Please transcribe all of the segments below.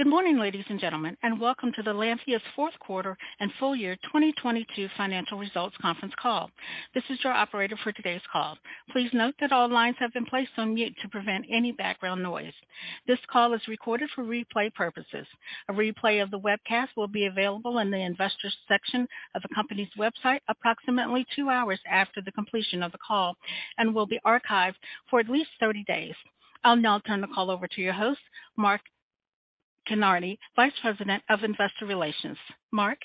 Good morning, ladies and gentlemen, and welcome to the Lantheus fourth quarter and full year 2022 financial results conference call. This is your operator for today's call. Please note that all lines have been placed on mute to prevent any background noise. This call is recorded for replay purposes. A replay of the webcast will be available in the Investors section of the company's website approximately two hours after the completion of the call and will be archived for at least 30 days. I'll now turn the call over to your host, Mark Kinarney, Vice President of Investor Relations. Mark?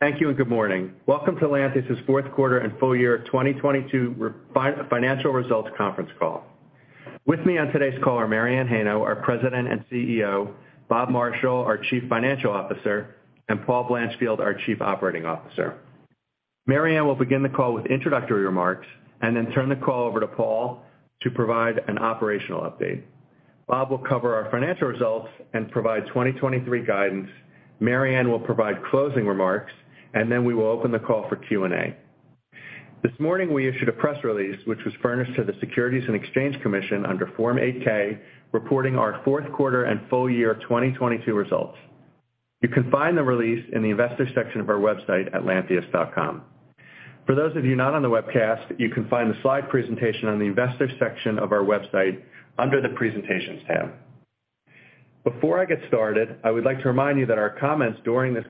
Thank you and good morning. Welcome to Lantheus's fourth quarter and full year 2022 financial results conference call. With me on today's call are Mary Anne Heino, our President and CEO, Bob Marshall, our Chief Financial Officer, and Paul Blanchfield, our Chief Operating Officer. Mary Anne will begin the call with introductory remarks then turn the call over to Paul to provide an operational update. Bob will cover our financial results and provide 2023 guidance. Mary Anne will provide closing remarks, then we will open the call for Q&A. This morning, we issued a press release which was furnished to the Securities and Exchange Commission under Form 8-K, reporting our fourth quarter and full year 2022 results. You can find the release in the Investors section of our website at lantheus.com. For those of you not on the webcast, you can find the slide presentation on the Investors section of our website under the Presentations tab. Before I get started, I would like to remind you that our comments during this.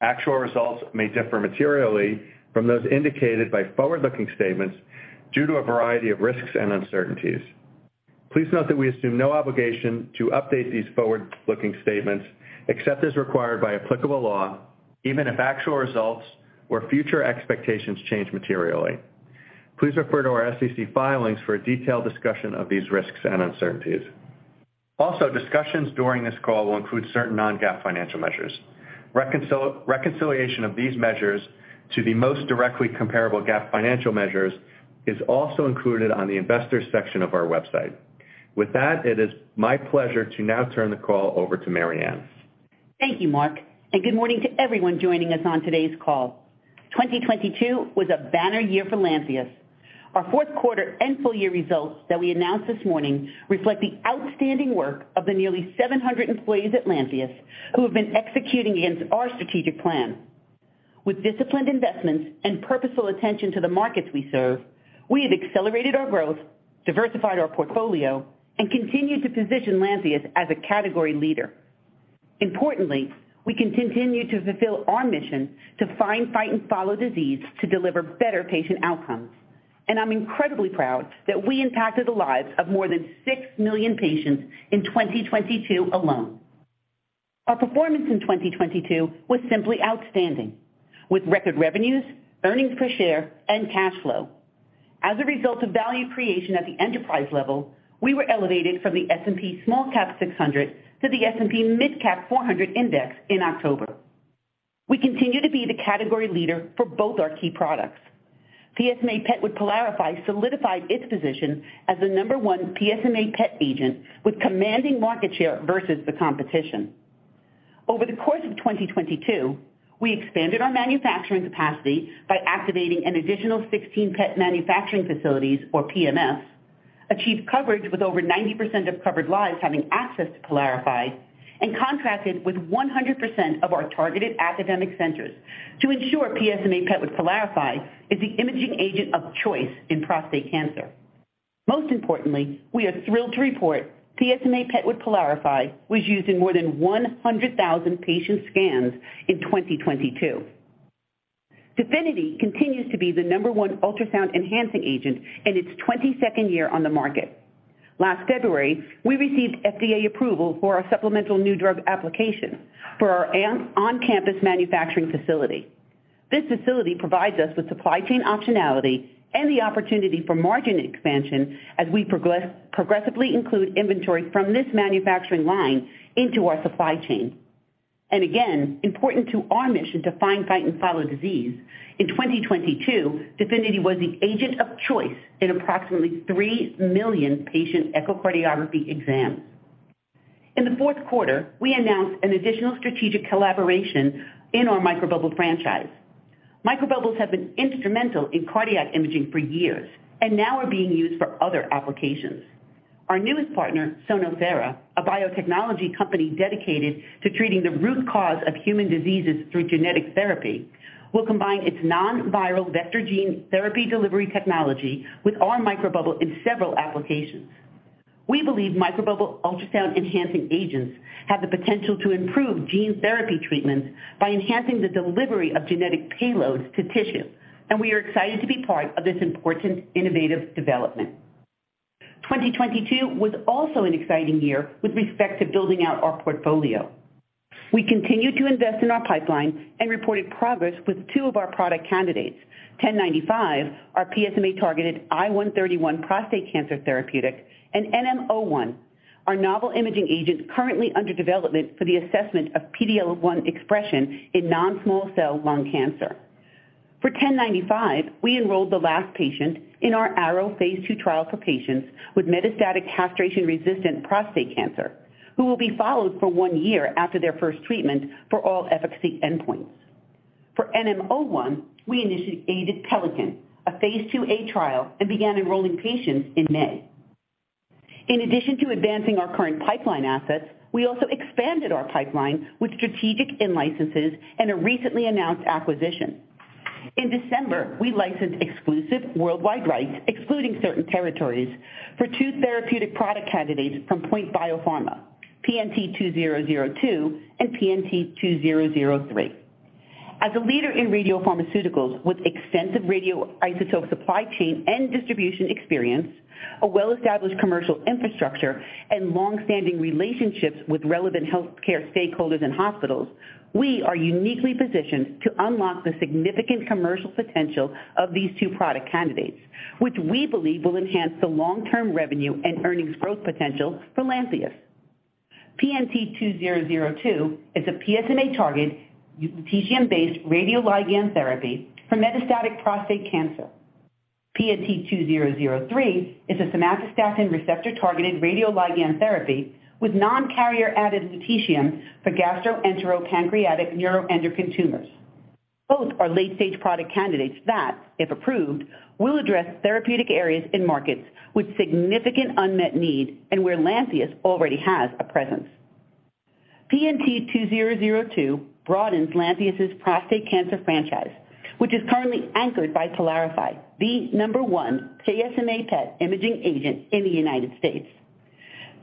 Actual results may differ materially from those indicated by forward-looking statements due to a variety of risks and uncertainties. Please note that we assume no obligation to update these forward-looking statements except as required by applicable law, even if actual results or future expectations change materially. Please refer to our SEC filings for a detailed discussion of these risks and uncertainties. Discussions during this call will include certain non-GAAP financial measures. Reconciliation of these measures to the most directly comparable GAAP financial measures is also included on the Investors section of our website. It is my pleasure to now turn the call over to Mary Anne. Thank you, Mark. Good morning to everyone joining us on today's call. 2022 was a banner year for Lantheus. Our fourth quarter and full year results that we announced this morning reflect the outstanding work of the nearly 700 employees at Lantheus who have been executing against our strategic plan. With disciplined investments and purposeful attention to the markets we serve, we have accelerated our growth, diversified our portfolio, and continued to position Lantheus as a category leader. Importantly, we can continue to fulfill our mission to find, fight, and follow disease to deliver better patient outcomes. I'm incredibly proud that we impacted the lives of more than 6 million patients in 2022 alone. Our performance in 2022 was simply outstanding, with record revenues, earnings per share, and cash flow. As a result of value creation at the enterprise level, we were elevated from the S&P SmallCap 600 to the S&P MidCap 400 Index in October. We continue to be the category leader for both our key products. PSMA PET with PYLARIFY solidified its position as the number one PSMA PET agent with commanding market share versus the competition. Over the course of 2022, we expanded our manufacturing capacity by activating an additional 16 PET manufacturing facilities or PMFs, achieved coverage with over 90% of covered lives having access to PYLARIFY, and contracted with 100% of our targeted academic centers to ensure PSMA PET with PYLARIFY is the imaging agent of choice in prostate cancer. Most importantly, we are thrilled to report PSMA PET with PYLARIFY was used in more than 100,000 patient scans in 2022. DEFINITY continues to be the number one ultrasound-enhancing agent in its 22nd year on the market. Last February, we received FDA approval for our supplemental new drug application for our on-campus manufacturing facility. This facility provides us with supply chain optionality and the opportunity for margin expansion as we progressively include inventory from this manufacturing line into our supply chain. Again, important to our mission to find, fight, and follow disease, in 2022, DEFINITY was the agent of choice in approximately 3 million patient echocardiography exams. In the fourth quarter, we announced an additional strategic collaboration in our microbubble franchise. Microbubbles have been instrumental in cardiac imaging for years and now are being used for other applications. Our newest partner, SonoThera, a biotechnology company dedicated to treating the root cause of human diseases through genetic therapy, will combine its non-viral vector gene therapy delivery technology with our microbubble in several applications. We believe microbubble ultrasound-enhancing agents have the potential to improve gene therapy treatments by enhancing the delivery of genetic payloads to tissue, and we are excited to be part of this important innovative development. 2022 was also an exciting year with respect to building out our portfolio. We continued to invest in our pipeline and reported progress with two of our product candidates: 1095, our PSMA-targeted I-131 prostate cancer therapeutic, and NM-01, our novel imaging agent currently under development for the assessment of PD-L1 expression in non-small cell lung cancer. For 1095, we enrolled the last patient in our ARROW phase II trial for patients with metastatic castration-resistant prostate cancer who will be followed for one year after their first treatment for all efficacy endpoints. For NM-01, we initiated PELICAN, a phase II-A trial, and began enrolling patients in May. In addition to advancing our current pipeline assets, we also expanded our pipeline with strategic in-licenses and a recently announced acquisition. In December, we licensed exclusive worldwide rights, excluding certain territories, for two therapeutic product candidates from POINT Biopharma, PNT2002 and PNT2003. As a leader in radiopharmaceuticals with extensive radioisotope supply chain and distribution experience, a well-established commercial infrastructure, and long-standing relationships with relevant healthcare stakeholders and hospitals, we are uniquely positioned to unlock the significant commercial potential of these two product candidates, which we believe will enhance the long-term revenue and earnings growth potential for Lantheus. PNT2002 is a PSMA-targeted lutetium-based radioligand therapy for metastatic prostate cancer. PNT2003 is a somatostatin receptor-targeted radioligand therapy with non-carrier-added lutetium for gastroenteropancreatic neuroendocrine tumors. Both are late-stage product candidates that, if approved, will address therapeutic areas in markets with significant unmet need and where Lantheus already has a presence. PNT2002 broadens Lantheus' prostate cancer franchise, which is currently anchored by PYLARIFY, the number one PSMA PET imaging agent in the United States.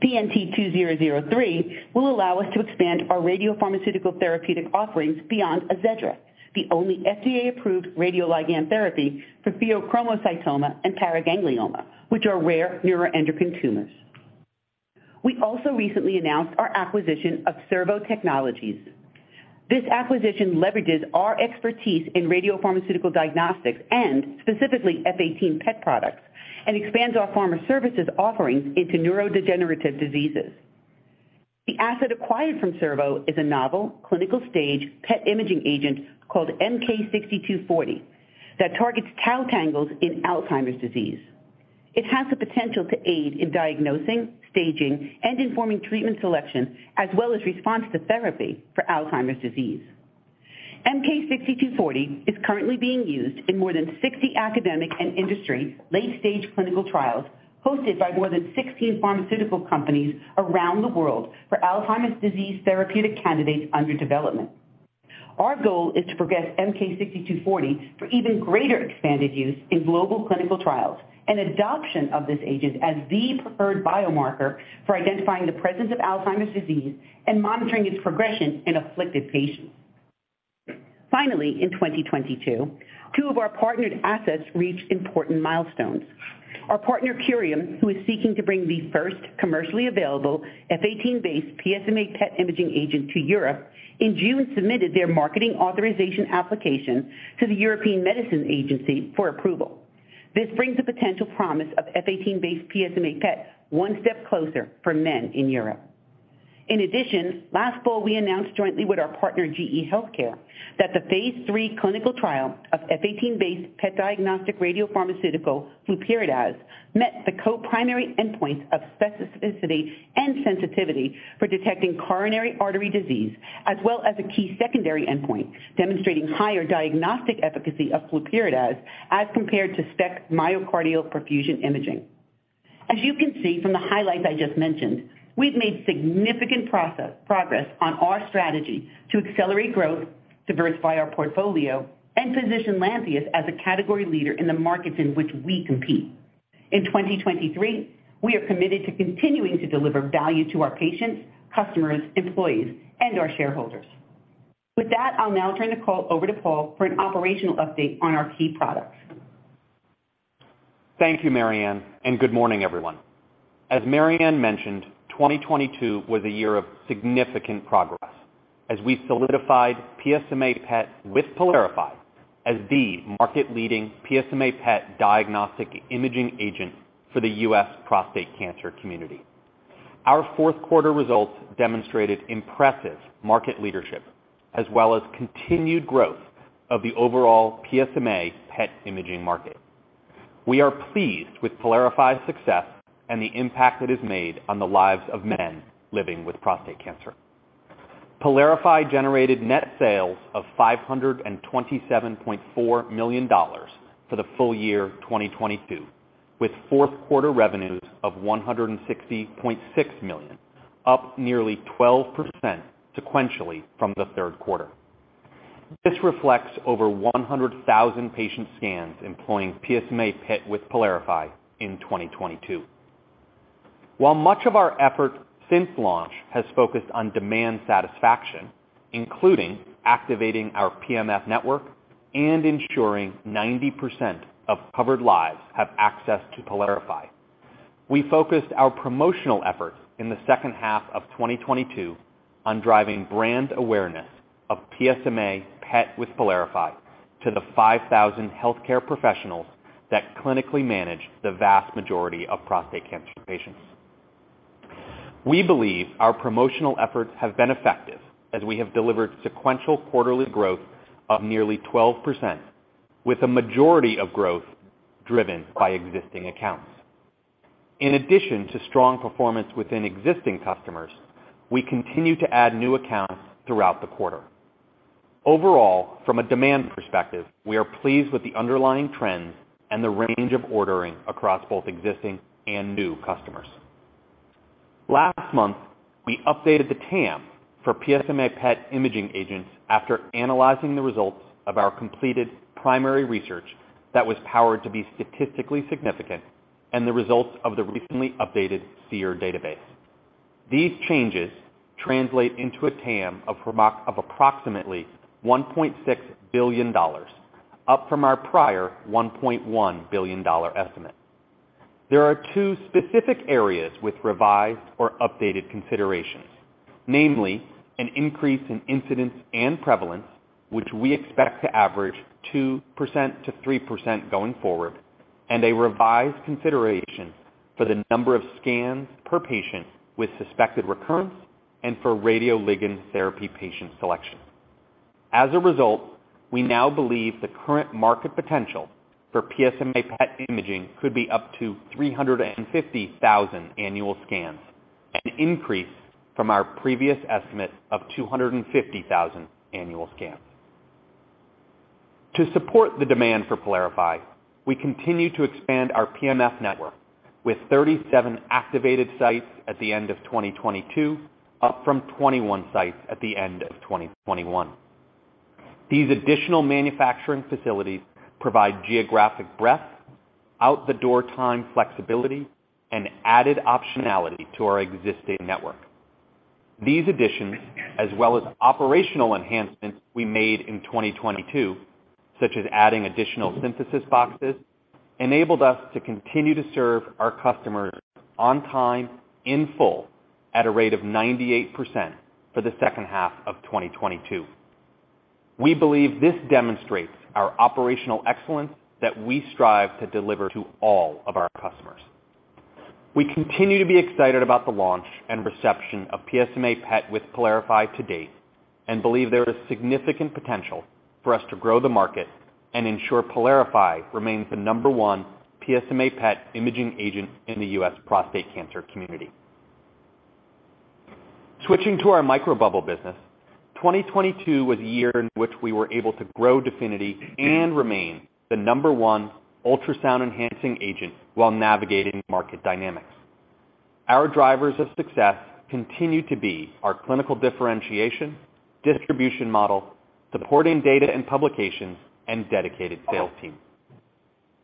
PNT2003 will allow us to expand our radiopharmaceutical therapeutic offerings beyond AZEDRA, the only FDA-approved radioligand therapy for pheochromocytoma and paraganglioma, which are rare neuroendocrine tumors. We also recently announced our acquisition of Cerveau Technologies, Inc. This acquisition leverages our expertise in radiopharmaceutical diagnostics and specifically F-18 PET products and expands our pharma services offerings into neurodegenerative diseases. The asset acquired from Cerveau is a novel clinical-stage PET imaging agent called MK-6240 that targets tau tangles in Alzheimer's disease. It has the potential to aid in diagnosing, staging, and informing treatment selection, as well as response to therapy for Alzheimer's disease. MK-6240 is currently being used in more than 60 academic and industry late-stage clinical trials hosted by more than 16 pharmaceutical companies around the world for Alzheimer's disease therapeutic candidates under development. Our goal is to progress MK-6240 for even greater expanded use in global clinical trials and adoption of this agent as the preferred biomarker for identifying the presence of Alzheimer's disease and monitoring its progression in afflicted patients. In 2022, two of our partnered assets reached important milestones. Our partner, Curium, who is seeking to bring the first commercially available F-18-based PSMA PET imaging agent to Europe, in June submitted their marketing authorization application to the European Medicines Agency for approval. This brings the potential promise of F-18-based PSMA PET one step closer for men in Europe. In addition, last fall, we announced jointly with our partner GE HealthCare that the phase III clinical trial of F-18-based PET diagnostic radiopharmaceutical flurpiridaz met the co-primary endpoint of specificity and sensitivity for detecting coronary artery disease, as well as a key secondary endpoint, demonstrating higher diagnostic efficacy of flurpiridaz as compared to SPECT myocardial perfusion imaging. As you can see from the highlights I just mentioned, we've made significant progress on our strategy to accelerate growth, diversify our portfolio, and position Lantheus as a category leader in the markets in which we compete. In 2023, we are committed to continuing to deliver value to our patients, customers, employees, and our shareholders. With that, I'll now turn the call over to Paul for an operational update on our key products. Thank you, Mary Anne, and good morning, everyone. As Mary Anne mentioned, 2022 was a year of significant progress as we solidified PSMA PET with PYLARIFY as the market-leading PSMA PET diagnostic imaging agent for the U.S. prostate cancer community. Our fourth quarter results demonstrated impressive market leadership as well as continued growth of the overall PSMA PET imaging market. We are pleased with PYLARIFY's success and the impact it has made on the lives of men living with prostate cancer. PYLARIFY generated net sales of $527.4 million for the full year 2022, with fourth quarter revenues of $160.6 million, up nearly 12% sequentially from the third quarter. This reflects over 100,000 patient scans employing PSMA PET with PYLARIFY in 2022. While much of our effort since launch has focused on demand satisfaction, including activating our PMF network and ensuring 90% of covered lives have access to PYLARIFY, we focused our promotional efforts in the second half of 2022 on driving brand awareness of PSMA PET with PYLARIFY to the 5,000 healthcare professionals that clinically manage the vast majority of prostate cancer patients. We believe our promotional efforts have been effective as we have delivered sequential quarterly growth of nearly 12% with a majority of growth driven by existing accounts. In addition to strong performance within existing customers, we continue to add new accounts throughout the quarter. Overall, from a demand perspective, we are pleased with the underlying trends and the range of ordering across both existing and new customers. Last month, we updated the TAM for PSMA PET imaging agents after analyzing the results of our completed primary research that was powered to be statistically significant and the results of the recently updated SEER database. These changes translate into a TAM of approximately $1.6 billion, up from our prior $1.1 billion estimate. There are two specific areas with revised or updated considerations, namely an increase in incidence and prevalence, which we expect to average 2%-3% going forward, and a revised consideration for the number of scans per patient with suspected recurrence and for radioligand therapy patient selection. As a result, we now believe the current market potential for PSMA PET imaging could be up to 350,000 annual scans, an increase from our previous estimate of 250,000 annual scans. To support the demand for PYLARIFY, we continue to expand our PMF network with 37 activated sites at the end of 2022, up from 21 sites at the end of 2021. These additional manufacturing facilities provide geographic breadth, out the door time flexibility, and added optionality to our existing network. These additions as well as operational enhancements we made in 2022, such as adding additional synthesis boxes, enabled us to continue to serve our customers on time in full at a rate of 98% for the second half of 2022. We believe this demonstrates our operational excellence that we strive to deliver to all of our customers. We continue to be excited about the launch and reception of PSMA PET with PYLARIFY to date and believe there is significant potential for us to grow the market and ensure PYLARIFY remains the number one PSMA PET imaging agent in the U.S. prostate cancer community. Switching to our microbubble business, 2022 was a year in which we were able to grow DEFINITY and remain the number one ultrasound enhancing agent while navigating market dynamics. Our drivers of success continue to be our clinical differentiation, distribution model, supporting data and publications, and dedicated sales team.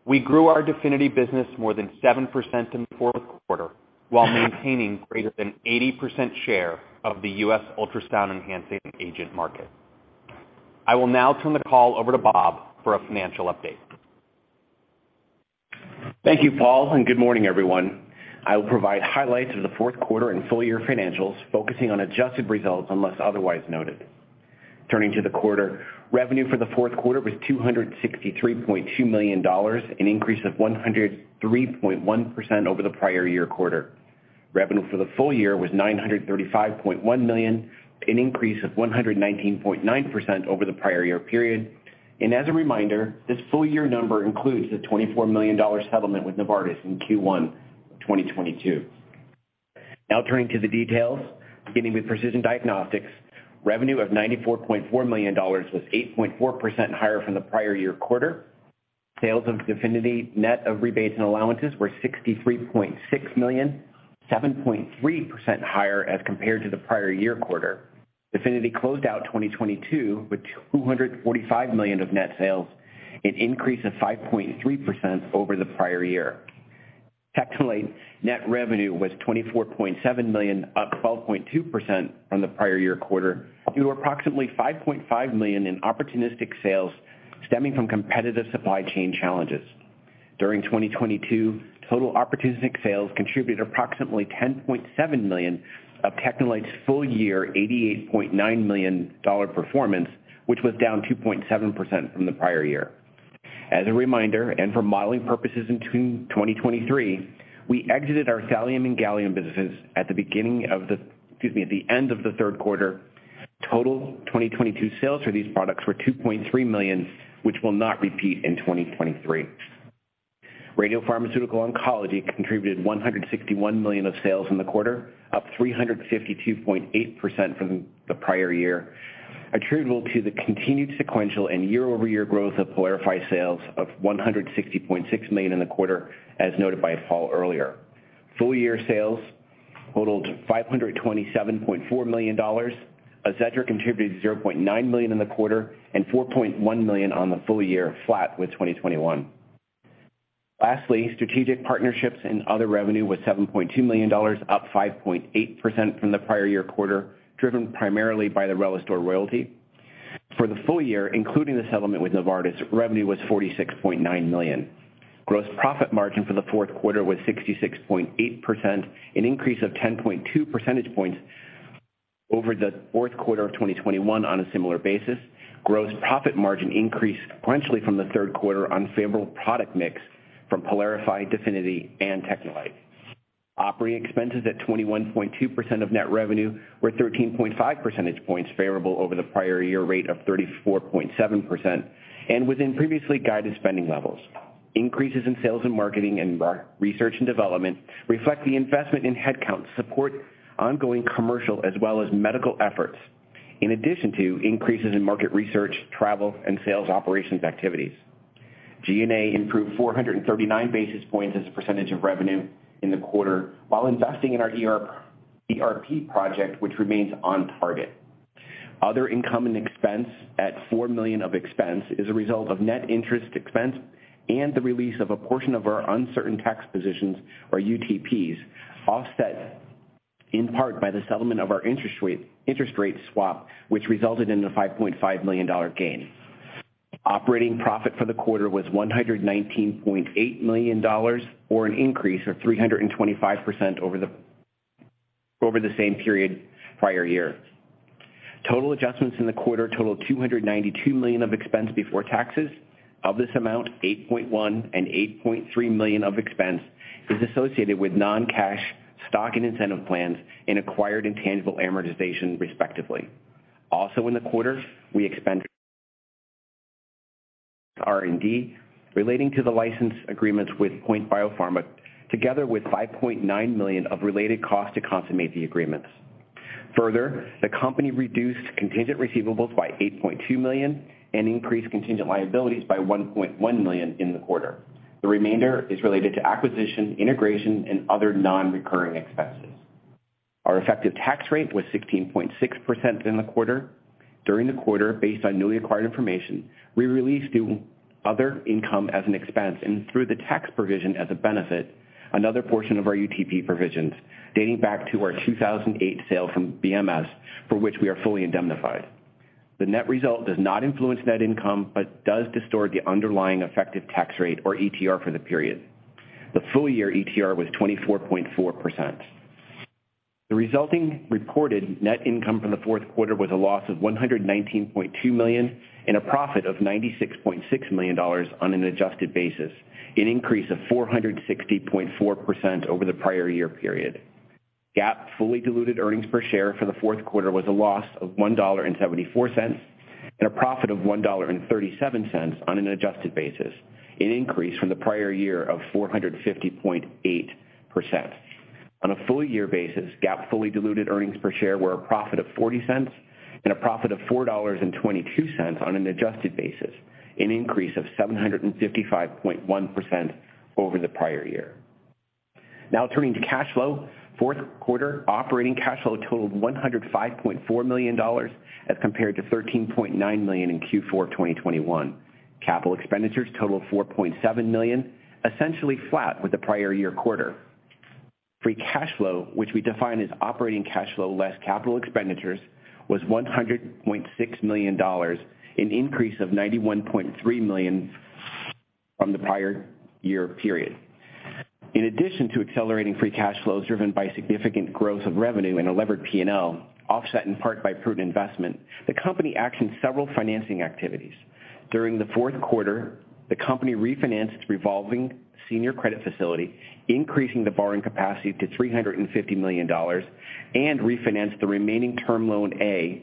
We grew our DEFINITY business more than 7% in the fourth quarter while maintaining greater than 80% share of the U.S. ultrasound enhancing agent market. I will now turn the call over to Bob for a financial update. Thank you, Paul. Good morning, everyone. I will provide highlights of the fourth quarter and full year financials, focusing on adjusted results unless otherwise noted. Turning to the quarter, revenue for the fourth quarter was $263.2 million, an increase of 103.1% over the prior year quarter. Revenue for the full year was $935.1 million, an increase of 119.9% over the prior year period. As a reminder, this full year number includes the $24 million settlement with Novartis in Q1 2022. Turning to the details. Beginning with precision diagnostics, revenue of $94.4 million was 8.4% higher from the prior year quarter. Sales of DEFINITY net of rebates and allowances were $63.6 million, 7.3% higher as compared to the prior year quarter. DEFINITY closed out 2022 with $245 million of net sales, an increase of 5.3% over the prior year. TechneLite net revenue was $24.7 million, up 12.2% from the prior year quarter, due to approximately $5.5 million in opportunistic sales stemming from competitive supply chain challenges. During 2022, total opportunistic sales contributed approximately $10.7 million of TechneLite's full year $88.9 million performance, which was down 2.7% from the prior year. As a reminder, for modeling purposes in 2023, we exited our Thallium and Gallium businesses at the end of the third quarter. Total 2022 sales for these products were $2.3 million, which will not repeat in 2023. Radiopharmaceutical oncology contributed $161 million of sales in the quarter, up 352.8% from the prior year, attributable to the continued sequential and year-over-year growth of PYLARIFY sales of $160.6 million in the quarter, as noted by Paul earlier. Full year sales totaled $527.4 million. AZEDRA contributed $0.9 million in the quarter and $4.1 million on the full year, flat with 2021. Lastly, strategic partnerships and other revenue was $7.2 million, up 5.8% from the prior year quarter, driven primarily by the RELISTOR royalty. For the full year, including the settlement with Novartis, revenue was $46.9 million. Gross profit margin for the fourth quarter was 66.8%, an increase of 10.2 percentage points over the fourth quarter of 2021 on a similar basis. Gross profit margin increased sequentially from the third quarter, unfavorable product mix from PYLARIFY, DEFINITY, and TechneLite. Operating expenses at 21.2% of net revenue were 13.5 percentage points favorable over the prior year rate of 34.7% and within previously guided spending levels. Increases in sales and marketing and re-research and development reflect the investment in headcount to support ongoing commercial as well as medical efforts, in addition to increases in market research, travel, and sales operations activities. G&A improved 439 basis points as a percentage of revenue in the quarter while investing in our ERP project, which remains on target. Other income and expense at $4 million of expense is a result of net interest expense and the release of a portion of our uncertain tax positions, or UTPs, offset in part by the settlement of our interest rate swap which resulted in the $5.5 million gain. Operating profit for the quarter was $119.8 million, or an increase of 325% over the same period prior year. Total adjustments in the quarter totaled $292 million of expense before taxes. Of this amount, $8.1 million and $8.3 million of expense is associated with non-cash stock and incentive plans and acquired intangible amortization respectively. In the quarter, we expended R&D relating to the license agreements with POINT Biopharma, together with $5.9 million of related costs to consummate the agreements. The company reduced contingent receivables by $8.2 million and increased contingent liabilities by $1.1 million in the quarter. The remainder is related to acquisition, integration, and other non-recurring expenses. Our effective tax rate was 16.6% in the quarter. During the quarter, based on newly acquired information, we released other income as an expense and through the tax provision as a benefit another portion of our UTP provisions dating back to our 2008 sale from BMS, for which we are fully indemnified. The net result does not influence net income, but does distort the underlying effective tax rate, or ETR, for the period. The full year ETR was 24.4%. The resulting reported net income from the fourth quarter was a loss of $119.2 million and a profit of $96.6 million on an adjusted basis, an increase of 460.4% over the prior year period. GAAP fully diluted earnings per share for the fourth quarter was a loss of $1.74 and a profit of $1.37 on an adjusted basis, an increase from the prior year of 450.8%. On a full year basis, GAAP fully diluted earnings per share were a profit of $0.40 and a profit of $4.22 on an adjusted basis, an increase of 755.1% over the prior year. Turning to cash flow. Fourth quarter operating cash flow totaled $105.4 million as compared to $13.9 million in Q4 of 2021. Capital expenditures totaled $4.7 million, essentially flat with the prior year quarter. Free cash flow, which we define as operating cash flow less capital expenditures, was $100.6 million, an increase of $91.3 million from the prior year period. In addition to accelerating free cash flows driven by significant growth of revenue and a levered P&L, offset in part by prudent investment, the company actioned several financing activities. During the fourth quarter, the company refinanced its revolving senior credit facility, increasing the borrowing capacity to $350 million and refinanced the remaining Term Loan A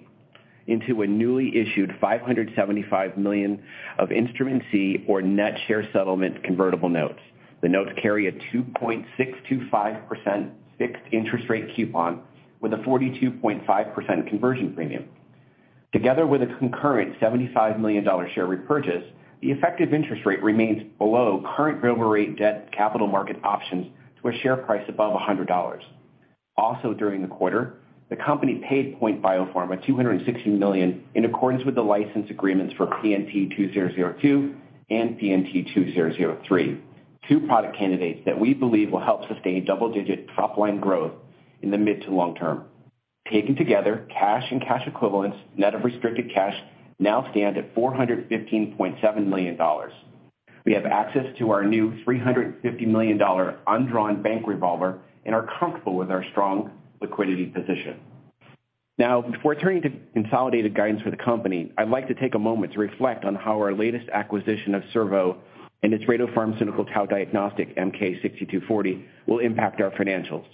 into a newly issued $575 million of Instrument C or net share settlement convertible notes. The notes carry a 2.625% fixed interest rate coupon with a 42.5% conversion premium. Together with a concurrent $75 million share repurchase, the effective interest rate remains below current global rate debt capital market options to a share price above $100. During the quarter, the company paid POINT Biopharma $260 million in accordance with the license agreements for PNT2002 and PNT2003, two product candidates that we believe will help sustain double-digit top-line growth in the mid to long term. Taken together, cash and cash equivalents, net of restricted cash now stand at $415.7 million. We have access to our new $350 million undrawn bank revolver and are comfortable with our strong liquidity position. Before turning to consolidated guidance for the company, I'd like to take a moment to reflect on how our latest acquisition of Cerveau and its radiopharmaceutical diagnostic MK-6240 will impact our financials.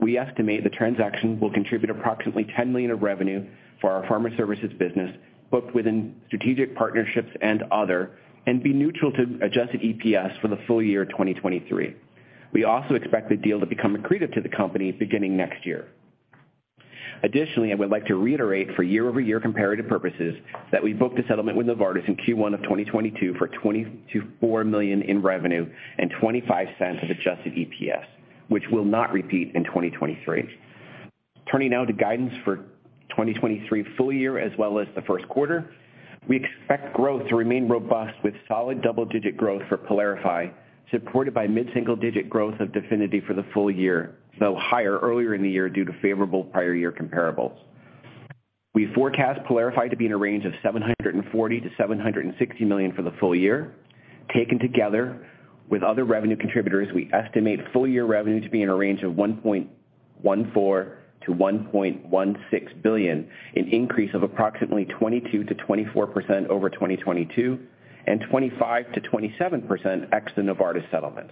We estimate the transaction will contribute approximately $10 million of revenue for our pharma services business, booked within strategic partnerships and other, and be neutral to adjusted EPS for the full year 2023. We also expect the deal to become accretive to the company beginning next year. I would like to reiterate for year-over-year comparative purposes that we booked a settlement with Novartis in Q1 of 2022 for $24 million in revenue and $0.25 of adjusted EPS, which will not repeat in 2023. Turning now to guidance for 2023 full year as well as the first quarter. We expect growth to remain robust with solid double-digit growth for PYLARIFY, supported by mid-single digit growth of DEFINITY for the full year, though higher earlier in the year due to favorable prior year comparables. We forecast PYLARIFY to be in a range of $740 million-$760 million for the full year. Taken together with other revenue contributors, we estimate full year revenue to be in a range of $1.14 billion-$1.16 billion, an increase of approximately 22%-24% over 2022 and 25%-27% ex the Novartis settlement.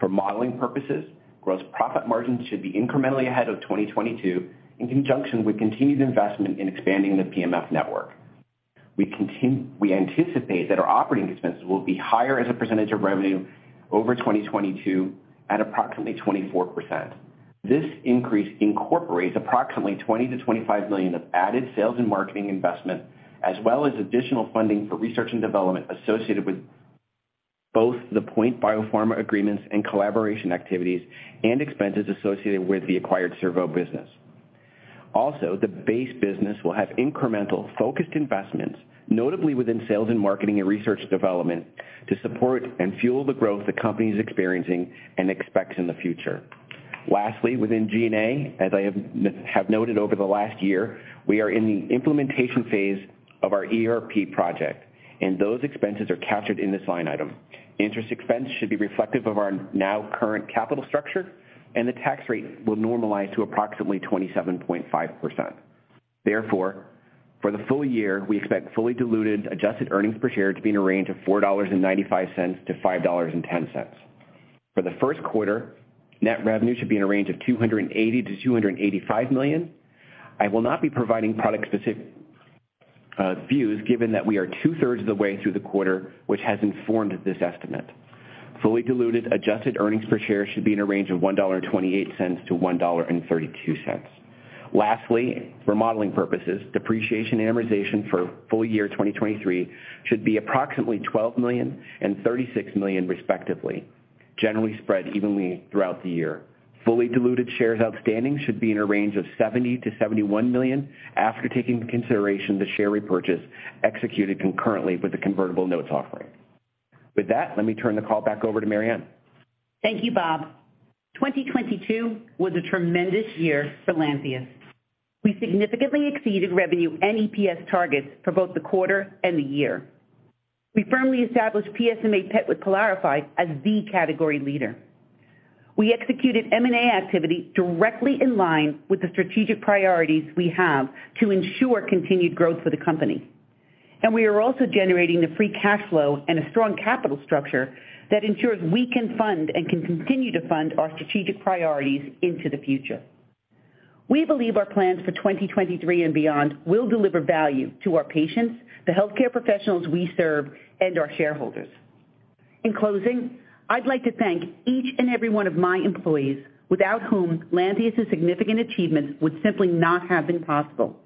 For modeling purposes, gross profit margins should be incrementally ahead of 2022 in conjunction with continued investment in expanding the PMF network. We anticipate that our operating expenses will be higher as a percentage of revenue over 2022 at approximately 24%. This increase incorporates approximately $20 million-$25 million of added sales and marketing investment, as well as additional funding for research and development associated with both the POINT Biopharma agreements and collaboration activities and expenses associated with the acquired Cerveau business. Also, the base business will have incremental focused investments, notably within sales and marketing and research development, to support and fuel the growth the company is experiencing and expects in the future. Lastly, within G&A, as I have noted over the last year, we are in the implementation phase of our ERP project, and those expenses are captured in this line item. Interest expense should be reflective of our now current capital structure, and the tax rate will normalize to approximately 27.5%. Therefore, for the full year, we expect fully diluted adjusted earnings per share to be in a range of $4.95-$5.10. For the first quarter, net revenue should be in a range of $280 million-$285 million. I will not be providing product specific views given that we are 2/3 of the way through the quarter, which has informed this estimate. Fully diluted adjusted earnings per share should be in a range of $1.28-$1.32. Lastly, for modeling purposes, depreciation and amortization for full year 2023 should be approximately $12 million and $36 million, respectively, generally spread evenly throughout the year. Fully diluted shares outstanding should be in a range of 70 million-71 million after taking into consideration the share repurchase executed concurrently with the convertible notes offering. Let me turn the call back over to Mary Anne. Thank you, Bob. 2022 was a tremendous year for Lantheus. We significantly exceeded revenue and EPS targets for both the quarter and the year. We firmly established PSMA PET with PYLARIFY as the category leader. We executed M&A activity directly in line with the strategic priorities we have to ensure continued growth for the company. We are also generating a free cash flow and a strong capital structure that ensures we can fund and can continue to fund our strategic priorities into the future. We believe our plans for 2023 and beyond will deliver value to our patients, the healthcare professionals we serve, and our shareholders. In closing, I'd like to thank each and every one of my employees without whom Lantheus's significant achievements would simply not have been possible.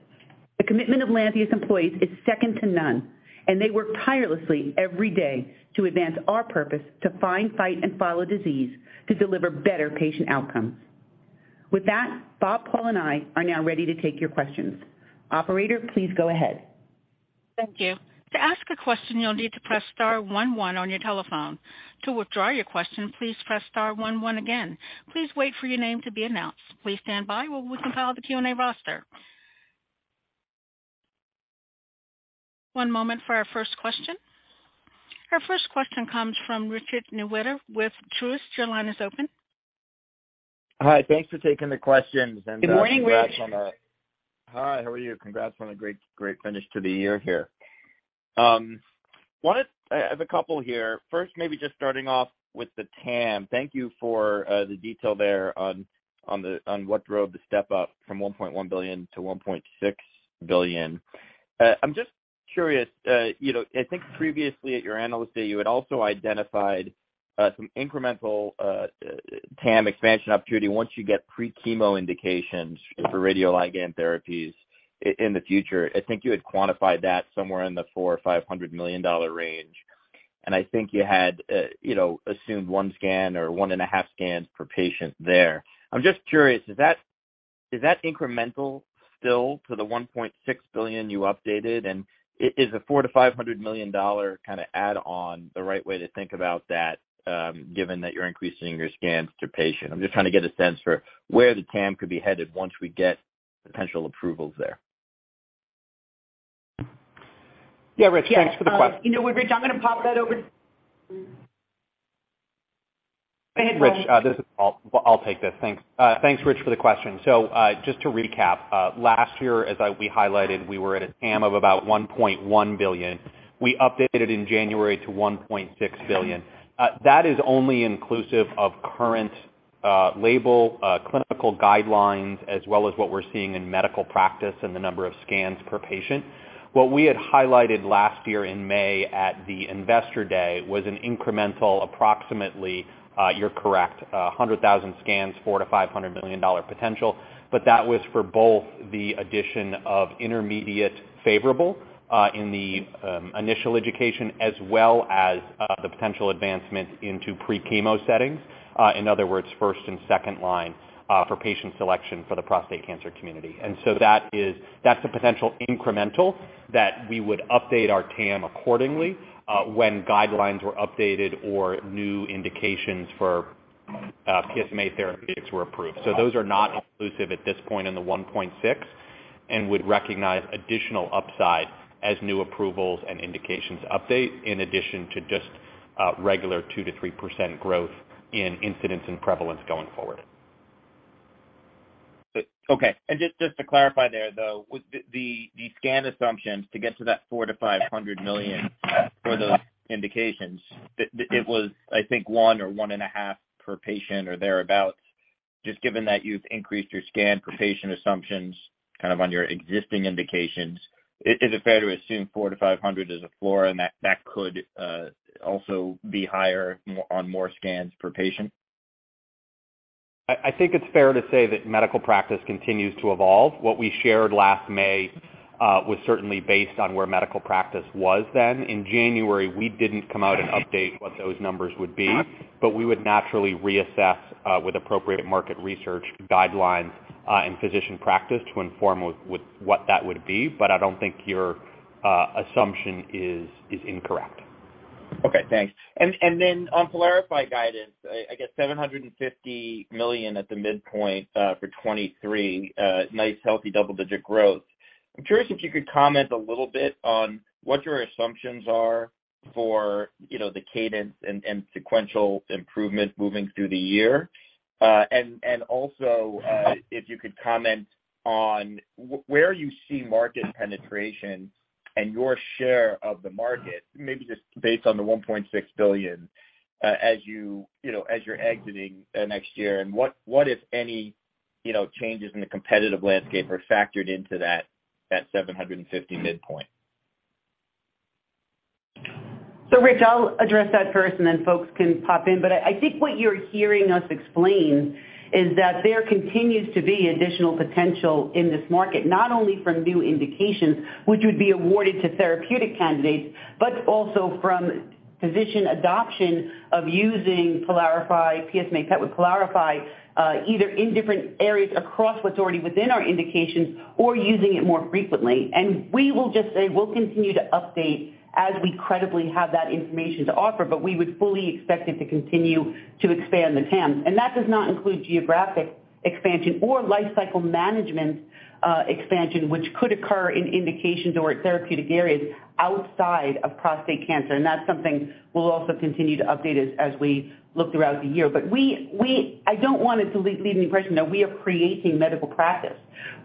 The commitment of Lantheus employees is second to none. They work tirelessly every day to advance our purpose to find, fight, and follow disease to deliver better patient outcomes. With that, Bob, Paul, and I are now ready to take your questions. Operator, please go ahead. Thank you. To ask a question, you'll need to press star one one on your telephone. To withdraw your question, please press star one one again. Please wait for your name to be announced. Please stand by while we compile the Q&A roster. One moment for our first question. Our first question comes from Richard Newitter with Truist. Your line is open. Hi, thanks for taking the questions. Good morning, Rich. Hi, how are you? Congrats on a great finish to the year here. I have a couple here. First, maybe just starting off with the TAM. Thank you for the detail there on the, on what drove the step up from $1.1 billion to $1.6 billion. I'm just curious, you know, I think previously at your Analyst Day, you had also identified some incremental TAM expansion opportunity once you get pre-chemo indications for radioligand therapies in the future. I think you had quantified that somewhere in the $400 million-$500 million range. I think you had, you know, assumed 1 scan or 1.5 scans per patient there. I'm just curious, is that incremental still to the $1.6 billion you updated? Is a $400 million-$500 million kinda add-on the right way to think about that, given that you're increasing your scans to patient? I'm just trying to get a sense for where the TAM could be headed once we get potential approvals there. Yeah, Rich, thanks for the question. Yes, you know what Rich, I'm gonna pop that over. Go ahead, Paul. Rich, this is Bob. I'll take this. Thanks. Thanks Rich for the question. Just to recap, last year, as we highlighted, we were at a TAM of about $1.1 billion. We updated in January to $1.6 billion. That is only inclusive of current label clinical guidelines, as well as what we're seeing in medical practice and the number of scans per patient. What we had highlighted last year in May at the Investor Day was an incremental approximately, you're correct, 100,000 scans, $400 million-$500 million potential. That was for both the addition of intermediate favorable in the initial education, as well as the potential advancement into pre-chemo settings, in other words, first and second line, for patient selection for the prostate cancer community. That's a potential incremental that we would update our TAM accordingly, when guidelines were updated or new indications for, PSMA therapeutics were approved. Those are not inclusive at this point in the 1.6. Would recognize additional upside as new approvals and indications update in addition to just regular 2% to 3% growth in incidence and prevalence going forward. Just to clarify there, though, with the scan assumptions to get to that $400 million-$500 million for those indications, it was, I think, 1 or 1.5 per patient or thereabout. Just given that you've increased your scan per patient assumptions kind of on your existing indications, is it fair to assume $400 million-$500 million is a floor and that could also be higher on more scans per patient? I think it's fair to say that medical practice continues to evolve. What we shared last May was certainly based on where medical practice was then. In January, we didn't come out and update what those numbers would be, we would naturally reassess with appropriate market research guidelines and physician practice to inform with what that would be. I don't think your assumption is incorrect. Okay, thanks. Then on PYLARIFY guidance, I guess $750 million at the midpoint for 2023, nice, healthy double-digit growth. I'm curious if you could comment a little bit on what your assumptions are for, you know, the cadence and sequential improvement moving through the year. Also, if you could comment on where you see market penetration and your share of the market, maybe just based on the $1.6 billion, as you know, as you're exiting next year, and what, if any, you know, changes in the competitive landscape are factored into that $750 midpoint. Rich, I'll address that first, and then Bob can pop in. I think what you're hearing us explain is that there continues to be additional potential in this market, not only from new indications which would be awarded to therapeutic candidates, but also from physician adoption of using PYLARIFY, PSMA PET with PYLARIFY, either in different areas across what's already within our indications or using it more frequently. We will just say we'll continue to update as we credibly have that information to offer, but we would fully expect it to continue to expand the TAM. That does not include geographic expansion or lifecycle management, expansion, which could occur in indications or therapeutic areas outside of prostate cancer. That's something we'll also continue to update as we look throughout the year. I don't want it to leave the impression that we are creating medical practice.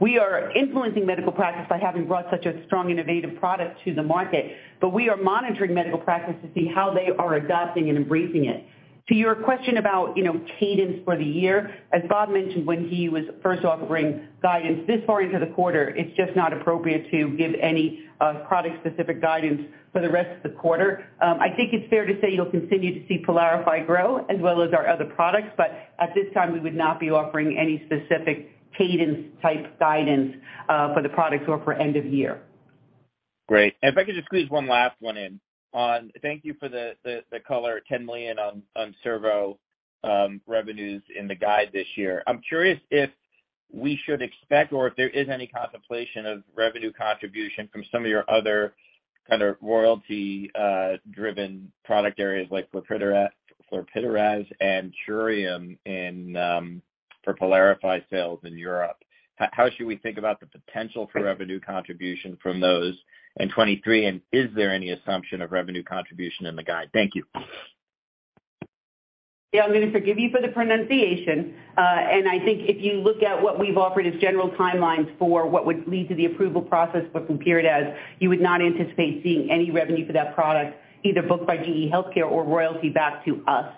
We are influencing medical practice by having brought such a strong innovative product to the market, we are monitoring medical practice to see how they are adopting and embracing it. To your question about, you know, cadence for the year, as Bob Marshall mentioned when he was first offering guidance this far into the quarter, it's just not appropriate to give any product-specific guidance for the rest of the quarter. I think it's fair to say you'll continue to see PYLARIFY grow as well as our other products, at this time, we would not be offering any specific cadence type guidance for the products or for end of year. Great. If I could just squeeze one last one in, thank you for the color $10 million on Cerveau revenues in the guide this year. I'm curious if we should expect or if there is any contemplation of revenue contribution from some of your other kind of royalty driven product areas like flurpiridaz and Curium for PYLARIFY sales in Europe. How should we think about the potential for revenue contribution from those in 2023? Is there any assumption of revenue contribution in the guide? Thank you. Yeah, I'm gonna forgive you for the pronunciation. I think if you look at what we've offered as general timelines for what would lead to the approval process for flurpiridaz, you would not anticipate seeing any revenue for that product either booked by GE HealthCare or royalty back to us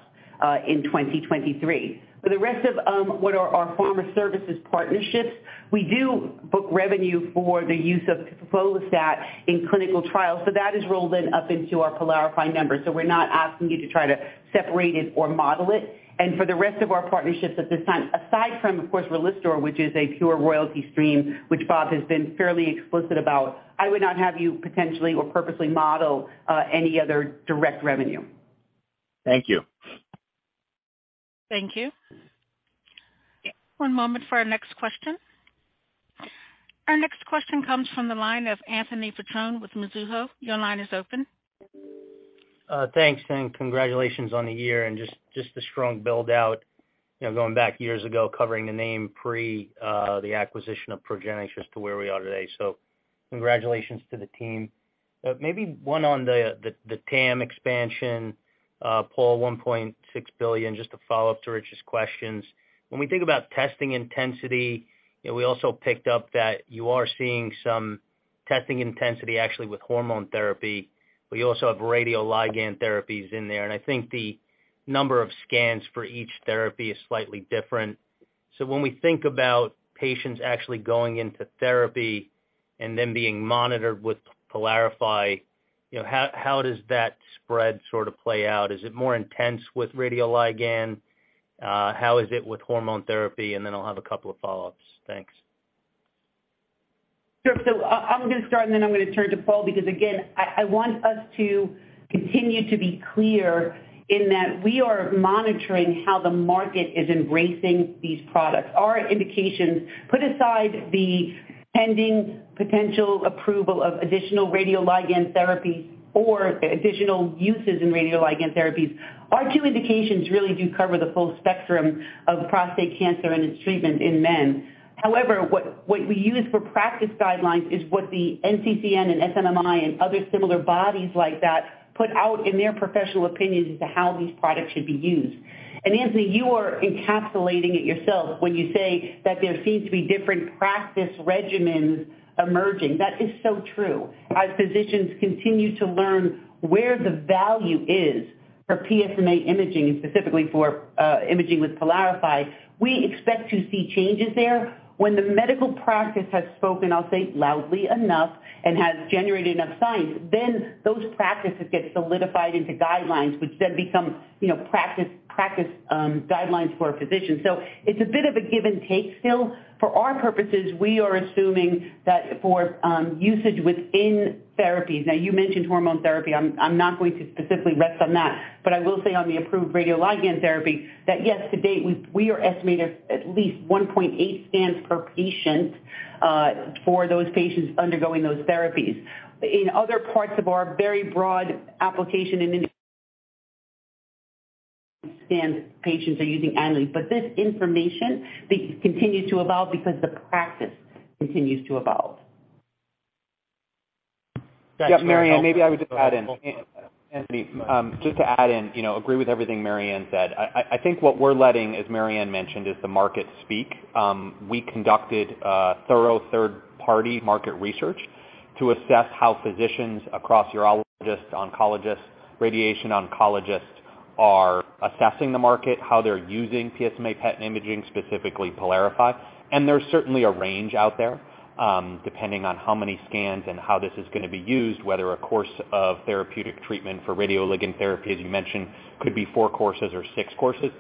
in 2023. For the rest of what are our former services partnerships, we do book revenue for the use of Tipifarnib in clinical trials, so that is rolled in up into our PYLARIFY numbers. We're not asking you to try to separate it or model it. For the rest of our partnerships at this time, aside from, of course, RELISTOR, which is a pure royalty stream, which Bob has been fairly explicit about, I would not have you potentially or purposely model any other direct revenue. Thank you. Thank you. One moment for our next question. Our next question comes from the line of Anthony Petrone with Mizuho. Your line is open. Thanks, congratulations on the year and just a strong build-out, you know, going back years ago, covering the name pre the acquisition of Progenics as to where we are today. Congratulations to the team. Maybe one on the TAM expansion, Paul, $1.6 billion, just to follow up to Rich's questions. When we think about testing intensity, we also picked up that you are seeing some testing intensity actually with hormone therapy, but you also have radioligand therapies in there. I think the number of scans for each therapy is slightly different. When we think about patients actually going into therapy and then being monitored with PYLARIFY, you know, how does that spread sort of play out? Is it more intense with radioligand? How is it with hormone therapy? I'll have a couple of follow-ups. Thanks. Sure. I'm gonna start, and then I'm gonna turn to Paul, because again, I want us to continue to be clear in that we are monitoring how the market is embracing these products. Our indications, put aside the pending potential approval of additional radioligand therapy or additional uses in radioligand therapies. Our two indications really do cover the full spectrum of prostate cancer and its treatment in men. However, what we use for practice guidelines is what the NCCN and SNMMI and other similar bodies like that put out in their professional opinions as to how these products should be used. Anthony, you are encapsulating it yourself when you say that there seems to be different practice regimens emerging. That is so true. As physicians continue to learn where the value is for PSMA imaging, and specifically for imaging with PYLARIFY, we expect to see changes there. When the medical practice has spoken, I'll say loudly enough, and has generated enough science, then those practices get solidified into guidelines, which then become, you know, practice guidelines for a physician. It's a bit of a give and take still. For our purposes, we are assuming that for usage within therapies. You mentioned hormone therapy. I'm not going to specifically rest on that, but I will say on the approved radioligand therapy that yes, to date, we are estimating at least 1.8 scans per patient for those patients undergoing those therapies. In other parts of our very broad application scans patients are using annually. This information continues to evolve because the practice continues to evolve. Yeah, Mary Anne, maybe I would just add in. Anthony, just to add in, you know, agree with everything Mary Anne said. I think what we're letting, as Mary Anne mentioned, is the market speak. We conducted thorough third-party market research to assess how physicians across urologists, oncologists, radiation oncologists are assessing the market, how they're using PSMA PET imaging, specifically PYLARIFY. There's certainly a range out there, depending on how many scans and how this is gonna be used, whether a course of therapeutic treatment for radioligand therapy, as you mentioned, could be 4 courses or 6 courses.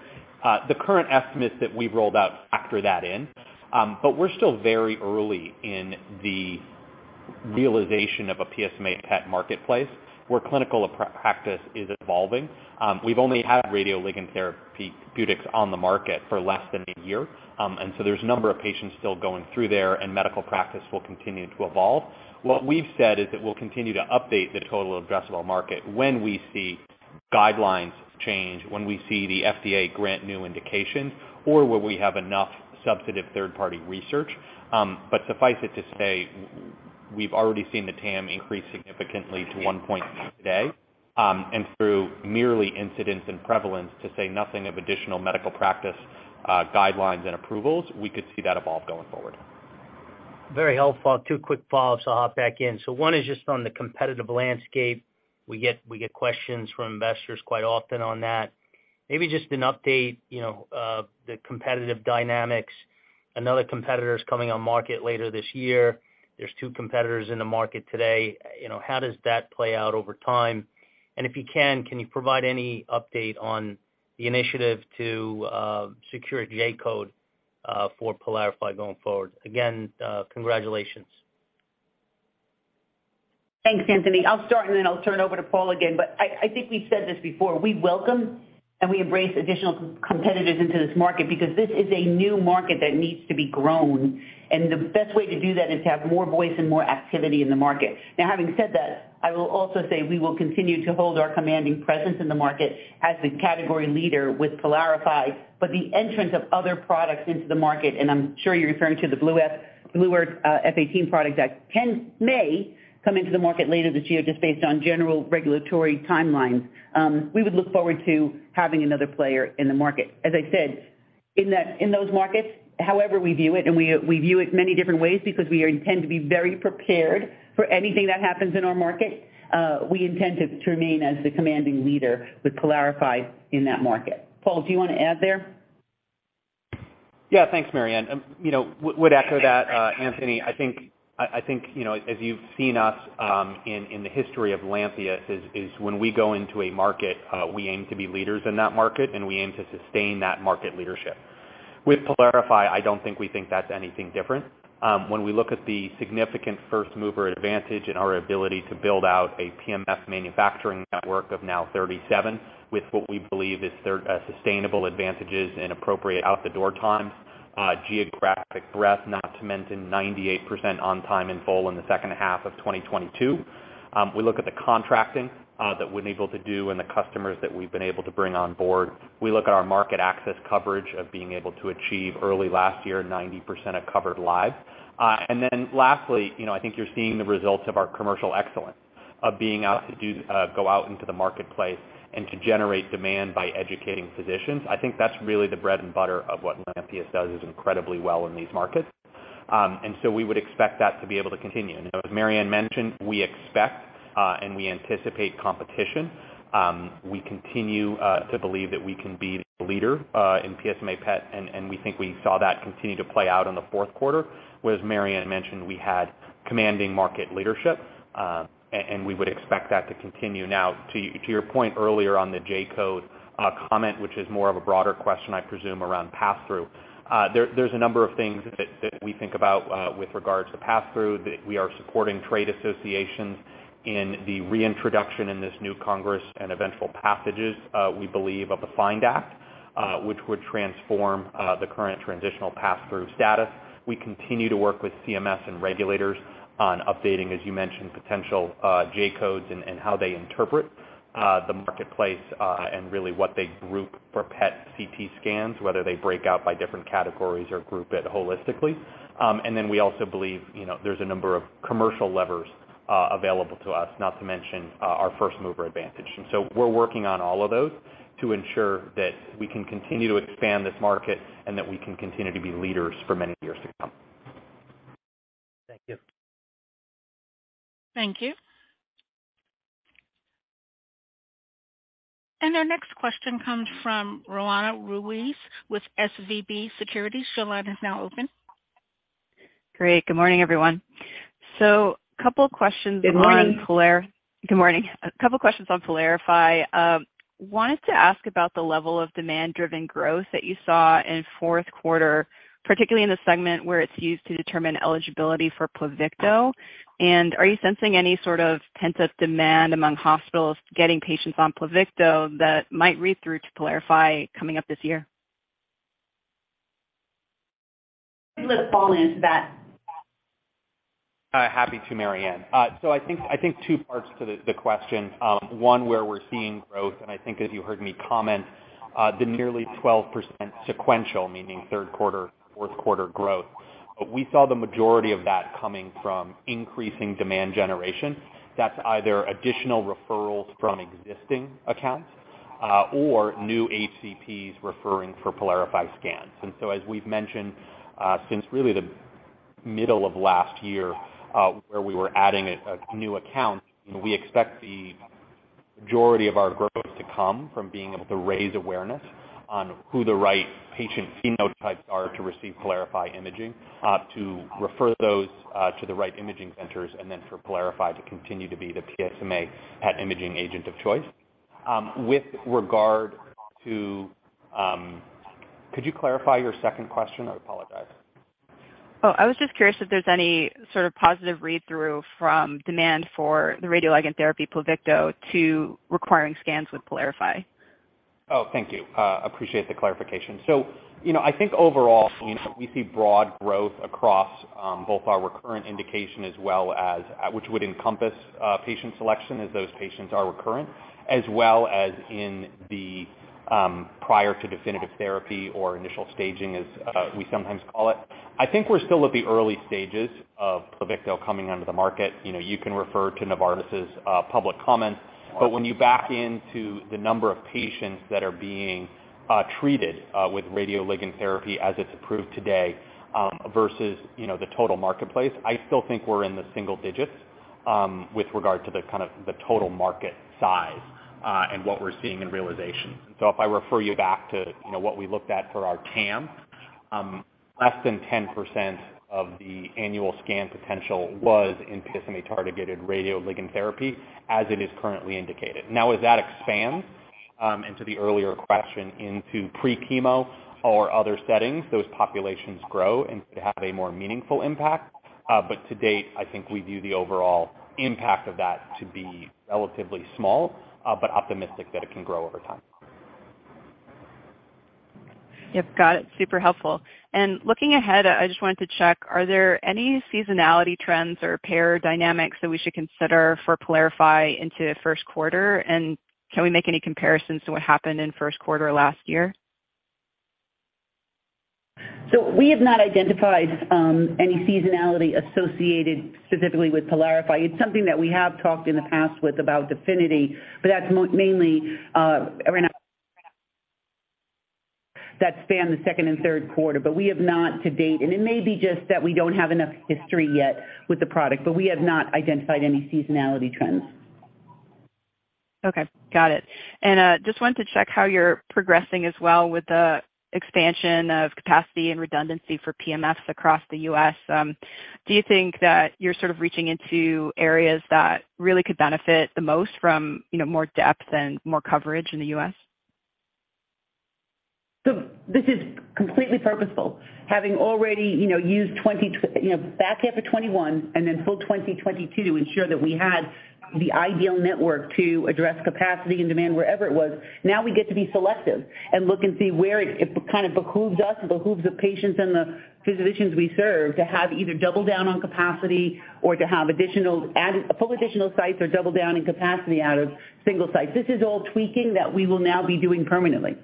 The current estimates that we've rolled out factor that in. We're still very early in the realization of a PSMA PET marketplace, where clinical practice is evolving. We've only had radioligand therapeutics on the market for less than 1 year. There's a number of patients still going through there, and medical practice will continue to evolve. What we've said is that we'll continue to update the total addressable market when we see guidelines change, when we see the FDA grant new indications or where we have enough substantive third-party research. Suffice it to say, we've already seen the TAM increase significantly to one point today, and through merely incidence and prevalence, to say nothing of additional medical practice, guidelines and approvals, we could see that evolve going forward. Very helpful. Two quick follows I'll hop back in. One is just on the competitive landscape. We get questions from investors quite often on that. Maybe just an update, you know, the competitive dynamics. Another competitor is coming on market later this year. There's two competitors in the market today. You know, how does that play out over time? If you can you provide any update on the initiative to secure a J-code for PYLARIFY going forward? Again, congratulations. Thanks, Anthony. I'll start. I'll turn over to Paul again. I think we've said this before, we welcome and we embrace additional competitors into this market because this is a new market that needs to be grown. The best way to do that is to have more voice and more activity in the market. Now, having said that, I will also say we will continue to hold our commanding presence in the market as the category leader with PYLARIFY. The entrance of other products into the market, and I'm sure you're referring to the Blue Earth F-18 product that may come into the market later this year just based on general regulatory timelines. We would look forward to having another player in the market. As I said, in those markets, however we view it, and we view it many different ways because we tend to be very prepared for anything that happens in our market, we intend to remain as the commanding leader with PYLARIFY in that market. Paul, do you wanna add there? Yeah. Thanks, Maryanne. You know, would echo that, Anthony. I think, you know, as you've seen us, in the history of Lantheus, is when we go into a market, we aim to be leaders in that market, and we aim to sustain that market leadership. With PYLARIFY, I don't think we think that's anything different. When we look at the significant first-mover advantage and our ability to build out a PMF manufacturing network of now 37 with what we believe is sustainable advantages and appropriate out-the-door times, geographic breadth, not to mention 98% on time in full in the second half of 2022. We look at the contracting that we're able to do and the customers that we've been able to bring on board. We look at our market access coverage of being able to achieve early last year, 90% of covered lives. Lastly, you know, I think you're seeing the results of our commercial excellence of being able to go out into the marketplace and to generate demand by educating physicians. I think that's really the bread and butter of what Lantheus does is incredibly well in these markets. We would expect that to be able to continue. As Mary Anne mentioned, we expect and we anticipate competition. We continue to believe that we can be the leader in PSMA PET, and we think we saw that continue to play out in the fourth quarter. As Mary Anne mentioned we had commanding market leadership, and we would expect that to continue. To your point earlier on the J-code comment, which is more of a broader question, I presume, around passthrough. There's a number of things that we think about with regards to passthrough. We are supporting trade associations in the reintroduction in this new Congress and eventual passages, we believe, of the FIND Act, which would transform the current transitional pass-through status. We continue to work with CMS and regulators on updating, as you mentioned, potential J codes and how they interpret the marketplace and really what they group for PET/CT scans, whether they break out by different categories or group it holistically. We also believe, you know, there's a number of commercial levers available to us, not to mention our first mover advantage. We're working on all of those to ensure that we can continue to expand this market and that we can continue to be leaders for many years to come. Thank you. Thank you. Our next question comes from Roanna Ruiz with SVB Securities. Your line is now open. Great. Good morning, everyone. A couple questions. Good morning. On PYLARIFY. Good morning. A couple questions on PYLARIFY. wanted to ask about the level of demand-driven growth that you saw in fourth quarter, particularly in the segment where it's used to determine eligibility for Pluvicto. Are you sensing any sort of pent-up demand among hospitals getting patients on Pluvicto that might read through to PYLARIFY coming up this year? Let fall into that. Happy to, Mary Anne. I think two parts to the question, one where we're seeing growth, and I think as you heard me comment, the nearly 12% sequential, meaning third quarter, fourth quarter growth. We saw the majority of that coming from increasing demand generation. That's either additional referrals from existing accounts or new HCPs referring for PYLARIFY scans. As we've mentioned, since really the middle of last year, where we were adding new accounts, we expect the majority of our growth to come from being able to raise awareness on who the right patient phenotypes are to receive PYLARIFY imaging, to refer those to the right imaging centers, and then for PYLARIFY to continue to be the PSMA PET imaging agent of choice. With regard to. Could you clarify your second question? I apologize. Oh, I was just curious if there's any sort of positive read-through from demand for the radioligand therapy Pluvicto to requiring scans with PYLARIFY. Thank you. You know, I think overall, you know, we see broad growth across both our recurrent indication as well as which would encompass patient selection as those patients are recurrent, as well as in the prior to definitive therapy or initial staging as we sometimes call it. I think we're still at the early stages of Pluvicto coming onto the market. You know, you can refer to Novartis's public comments, but when you back into the number of patients that are being treated with radioligand therapy as it's approved today, versus, you know, the total marketplace, I still think we're in the single digits with regard to the kind of the total market size and what we're seeing in realization. If I refer you back to, you know, what we looked at for our TAM, less than 10% of the annual scan potential was in PSMA-targeted radioligand therapy as it is currently indicated. As that expands, into the earlier question into pre-chemo or other settings, those populations grow and could have a more meaningful impact. To date, I think we view the overall impact of that to be relatively small, but optimistic that it can grow over time. Yep, got it. Super helpful. Looking ahead, I just wanted to check, are there any seasonality trends or payer dynamics that we should consider for PYLARIFY into first quarter? Can we make any comparisons to what happened in first quarter last year? We have not identified any seasonality associated specifically with PYLARIFY. It's something that we have talked in the past with about DEFINITY, but that's mainly around that span the second and third quarter. We have not to date, and it may be just that we don't have enough history yet with the product, but we have not identified any seasonality trends. Okay, got it. Just wanted to check how you're progressing as well with the expansion of capacity and redundancy for PMFs across the U.S. Do you think that you're sort of reaching into areas that really could benefit the most from, you know, more depth and more coverage in the U.S.? This is completely purposeful. Having already, you know, used you know, back half of 2021 and then full 2022 to ensure that we had the ideal network to address capacity and demand wherever it was. Now we get to be selective and look and see where it kind of behooves us, behooves the patients and the physicians we serve to have either double down on capacity or to have additional pull additional sites or double down in capacity out of single sites. This is all tweaking that we will now be doing permanently.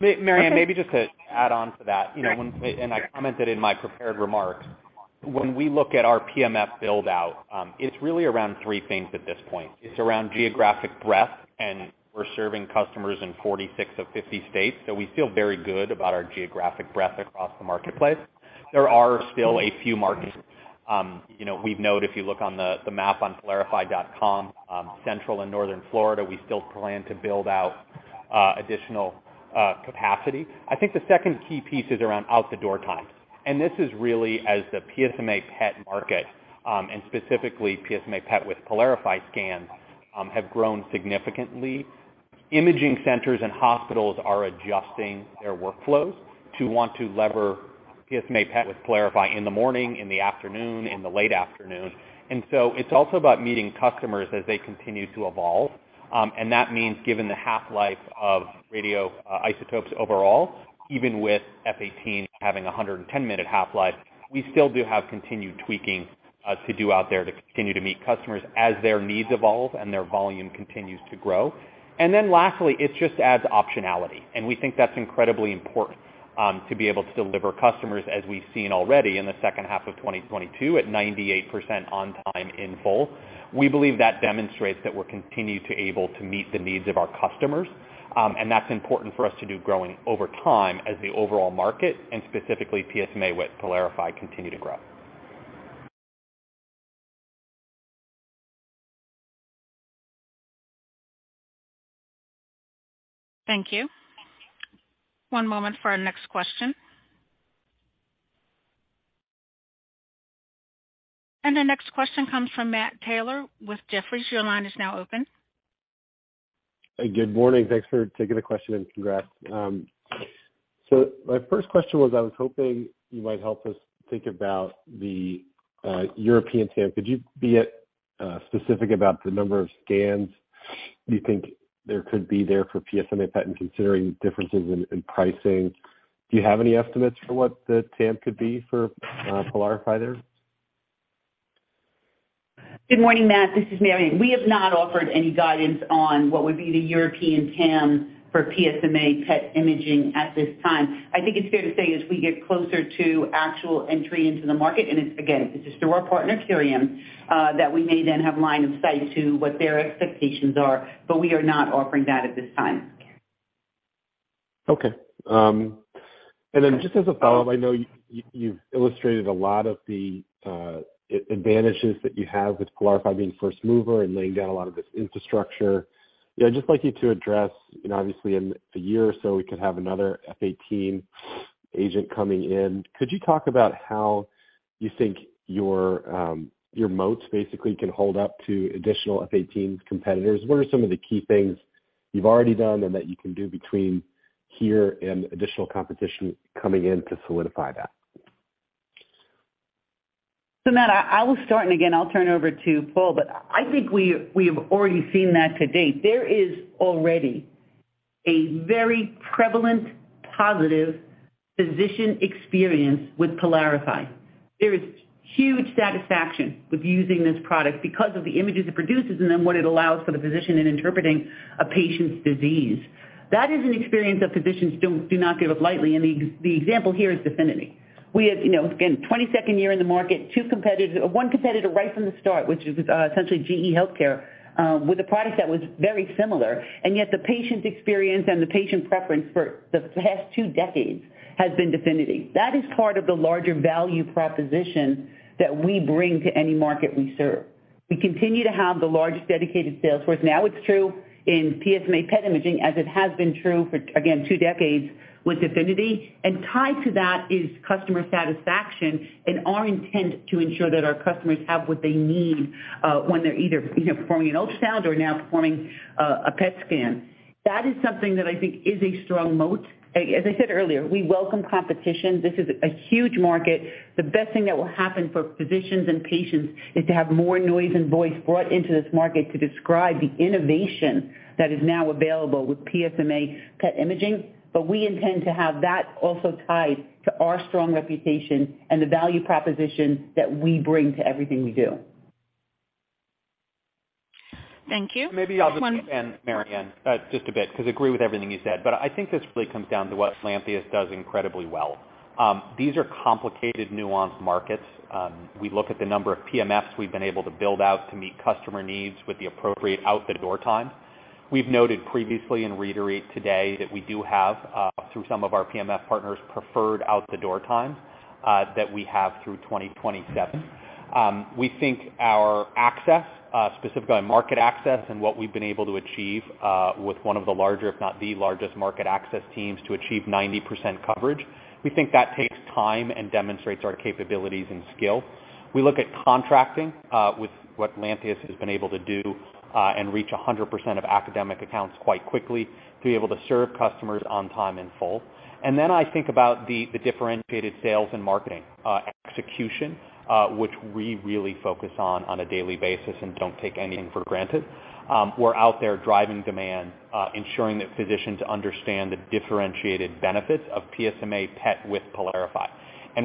Mary Anne, maybe just to add on to that, you know, when and I commented in my prepared remarks, when we look at our PMF build-out, it's really around three things at this point. It's around geographic breadth, and we're serving customers in 46 of 50 states. We feel very good about our geographic breadth across the marketplace. There are still a few markets, you know, we've noted if you look on the map on PYLARIFY.com, central and northern Florida, we still plan to build out additional capacity. I think the second key piece is around out the door times. This is really as the PSMA PET market, and specifically PSMA PET with PYLARIFY scans, have grown significantly. Imaging centers and hospitals are adjusting their workflows to want to lever PSMA PET with PYLARIFY in the morning, in the afternoon, in the late afternoon. It's also about meeting customers as they continue to evolve. That means given the half-life of radio isotopes overall, even with F-18 having a 110 minute half-life, we still do have continued tweaking to do out there to continue to meet customers as their needs evolve and their volume continues to grow. Lastly, it just adds optionality, and we think that's incredibly important to be able to deliver customers, as we've seen already in the second half of 2022, at 98% on time in full. We believe that demonstrates that we're continued to able to meet the needs of our customers, and that's important for us to do growing over time as the overall market and specifically PSMA with PYLARIFY continue to grow. Thank you. One moment for our next question. The next question comes from Matt Taylor with Jefferies. Your line is now open. Good morning. Thanks for taking the question and congrats. My first question was, I was hoping you might help us think about the European TAM. Could you be specific about the number of scans you think there could be there for PSMA PET and considering differences in pricing, do you have any estimates for what the TAM could be for PYLARIFY there? Good morning, Matt. This is Mary. We have not offered any guidance on what would be the European TAM for PSMA PET imaging at this time. I think it's fair to say as we get closer to actual entry into the market, and it's, again, it's through our partner, Curium, that we may then have line of sight to what their expectations are. We are not offering that at this time. Okay. Just as a follow-up, I know you've illustrated a lot of the advantages that you have with PYLARIFY being first mover and laying down a lot of this infrastructure. I'd just like you to address, you know, obviously in a year or so, we could have another F-18 agent coming in. Could you talk about how you think your moats basically can hold up to additional F-18 competitors? What are some of the key things you've already done and that you can do between here and additional competition coming in to solidify that? Matt Taylor, I will start. I'll turn over to Paul. I think we have already seen that to date. There is already a very prevalent positive physician experience with PYLARIFY. There is huge satisfaction with using this product because of the images it produces and then what it allows for the physician in interpreting a patient's disease. That is an experience that physicians do not give up lightly. The example here is DEFINITY. We have, you know, again, 22nd year in the market, 2 competitors, 1 competitor right from the start, which is essentially GE HealthCare, with a product that was very similar. The patient experience and the patient preference for the past 2 decades has been DEFINITY. That is part of the larger value proposition that we bring to any market we serve. We continue to have the largest dedicated sales force. Now it's true in PSMA PET imaging, as it has been true for, again, two decades with DEFINITY. Tied to that is customer satisfaction and our intent to ensure that our customers have what they need, when they're either, you know, performing an ultrasound or now performing a PET scan. That is something that I think is a strong moat. As I said earlier, we welcome competition. This is a huge market. The best thing that will happen for physicians and patients is to have more noise and voice brought into this market to describe the innovation that is now available with PSMA PET imaging. We intend to have that also tied to our strong reputation and the value proposition that we bring to everything we do. Thank you. Maybe I'll just end, Mary, just a bit, because I agree with everything you said, but I think this really comes down to what Lantheus does incredibly well. These are complicated nuance markets. We look at the number of PMFs we've been able to build out to meet customer needs with the appropriate out-the-door time. We've noted previously and reiterate today that we do have, through some of our PMF partners, preferred out-the-door time, that we have through 2027. We think our access, specifically on market access and what we've been able to achieve, with one of the larger, if not the largest market access teams to achieve 90% coverage. We think that takes time and demonstrates our capabilities and skill. We look at contracting with what Lantheus has been able to do and reach 100% of academic accounts quite quickly to be able to serve customers on time in full. I think about the differentiated sales and marketing execution, which we really focus on on a daily basis and don't take anything for granted. We're out there driving demand, ensuring that physicians understand the differentiated benefits of PSMA PET with PYLARIFY.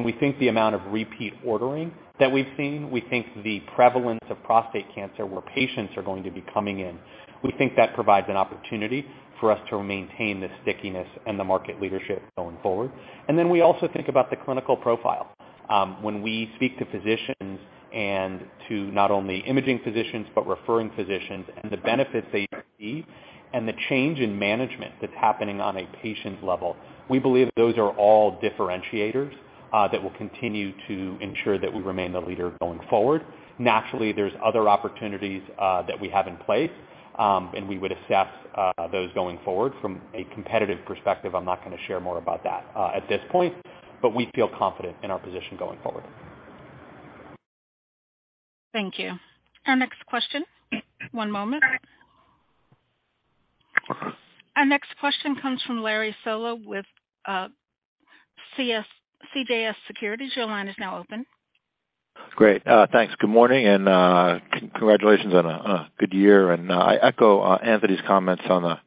We think the amount of repeat ordering that we've seen, we think the prevalence of prostate cancer where patients are going to be coming in, we think that provides an opportunity for us to maintain the stickiness and the market leadership going forward. We also think about the clinical profile. When we speak to physicians and to not only imaging physicians, but referring physicians and the benefits they see and the change in management that's happening on a patient level, we believe those are all differentiators that will continue to ensure that we remain the leader going forward. Naturally, there's other opportunities that we have in place, and we would assess those going forward. From a competitive perspective, I'm not gonna share more about that at this point, but we feel confident in our position going forward. Thank you. Our next question. One moment. Our next question comes from Larry Solow with CJS Securities. Your line is now open. Great. Thanks. Good morning and congratulations on a good year. I echo Anthony's comments on,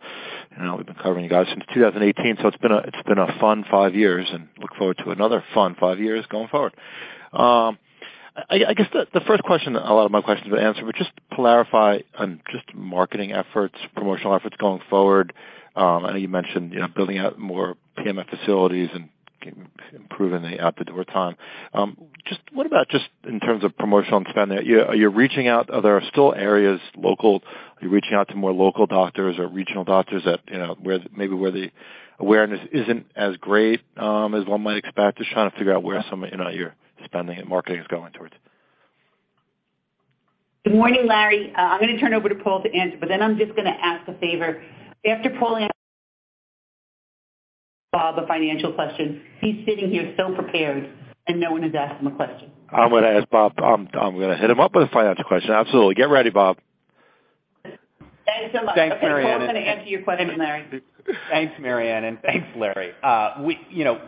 you know, we've been covering you guys since 2018, so it's been a fun 5 years and look forward to another fun 5 years going forward. I guess the first question, a lot of my questions were answered, but just to clarify on just marketing efforts, promotional efforts going forward. I know you mentioned, you know, building out more PMF facilities and improving the uptime. Just what about just in terms of promotional and spend there? You're reaching out. Are there still areas local? Are you reaching out to more local doctors or regional doctors at, you know, where maybe where the awareness isn't as great as one might expect? Just trying to figure out where some of, you know, your spending and marketing is going towards. Good morning, Larry. I'm gonna turn over to Paul to answer. I'm just gonna ask a favor. After Paul answers, Bob a financial question. He's sitting here so prepared. No one has asked him a question. I'm gonna ask Bob. I'm gonna hit him up with a financial question. Absolutely. Get ready, Bob. Thanks so much. Thanks, Mary Anne Heino. Okay, Paul's gonna answer your question, Larry. Thanks, Mary Anne, and thanks, Larry. You know,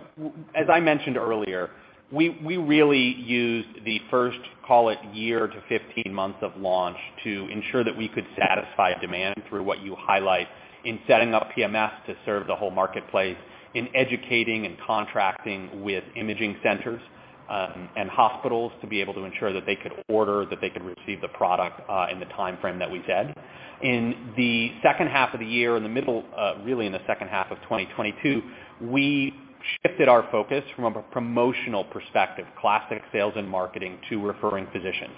as I mentioned earlier, we really used the first, call it year to 15 months of launch to ensure that we could satisfy demand through what you highlight in setting up PMF to serve the whole marketplace in educating and contracting with imaging centers and hospitals to be able to ensure that they could order, that they could receive the product in the timeframe that we said. In the second half of the year, in the middle, really in the second half of 2022, we shifted our focus from a promotional perspective, classic sales and marketing, to referring physicians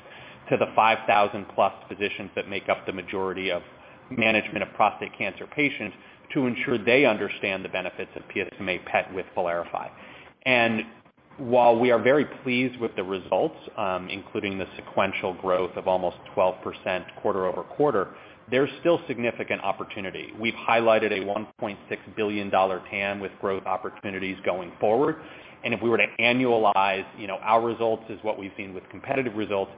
to the 5,000+ physicians that make up the majority of management of prostate cancer patients to ensure they understand the benefits of PSMA PET with PYLARIFY. While we are very pleased with the results, including the sequential growth of almost 12% quarter-over-quarter, there's still significant opportunity. We've highlighted a $1.6 billion TAM with growth opportunities going forward. If we were to annualize, you know, our results as what we've seen with competitive results,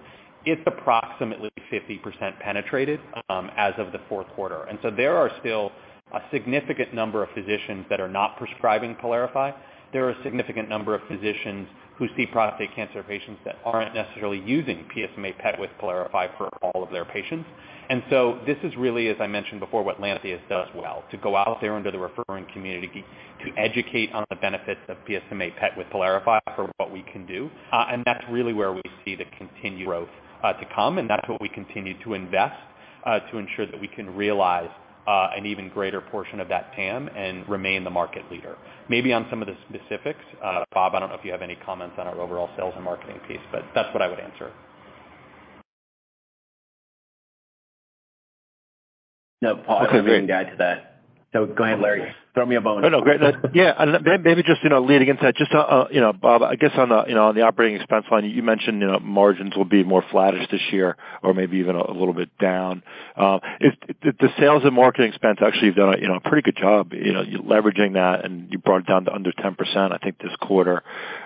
it's approximately 50% penetrated as of the fourth quarter. There are still a significant number of physicians that are not prescribing PYLARIFY. There are a significant number of physicians who see prostate cancer patients that aren't necessarily using PSMA PET with PYLARIFY for all of their patients. This is really, as I mentioned before, what Lantheus does well, to go out there under the referring community to educate on the benefits of PSMA PET with PYLARIFY for what we can do. That's really where we see the continued growth to come, and that's what we continue to invest to ensure that we can realize an even greater portion of that TAM and remain the market leader. Maybe on some of the specifics, Bob, I don't know if you have any comments on our overall sales and marketing piece, but that's what I would answer. No, Paul. Okay, great. I'm your guy to that. Go ahead, Larry. Throw me a bone. Great. Maybe just, you know, leading into that. You know, Bob, I guess on the, you know, on the operating expense line, you mentioned, you know, margins will be more flattish this year or maybe even a little bit down. If the sales and marketing expense actually have done a, you know, a pretty good job, you know, leveraging that, and you brought it down to under 10%, I think, this quarter.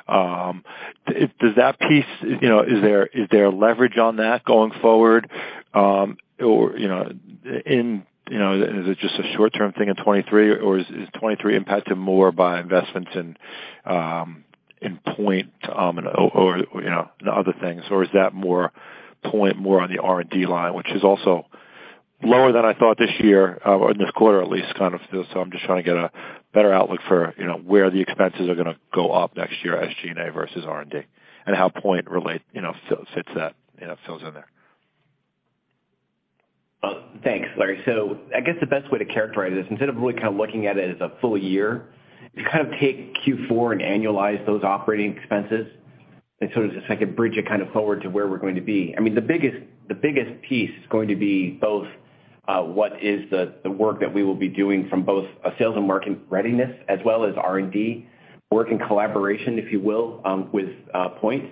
Does that piece, you know, is there leverage on that going forward? You know, is it just a short term thing in 23, or is 23 impacted more by investments in POINT, or, you know, other things? Is that POINT more on the R&D line, which is also lower than I thought this year, or this quarter at least, kind of feels. I'm just trying to get a better outlook for, you know, where the expenses are gonna go up next year as G&A versus R&D, and how POINT relate, you know, fits that, you know, fills in there. Well, thanks, Larry. I guess the best way to characterize this, instead of really kind of looking at it as a full year, is kind of take Q4 and annualize those operating expenses and sort of as a second bridge it kind of forward to where we're going to be. I mean, the biggest piece is going to be both, what is the work that we will be doing from both a sales and marketing readiness as well as R&D work in collaboration, if you will, with POINT.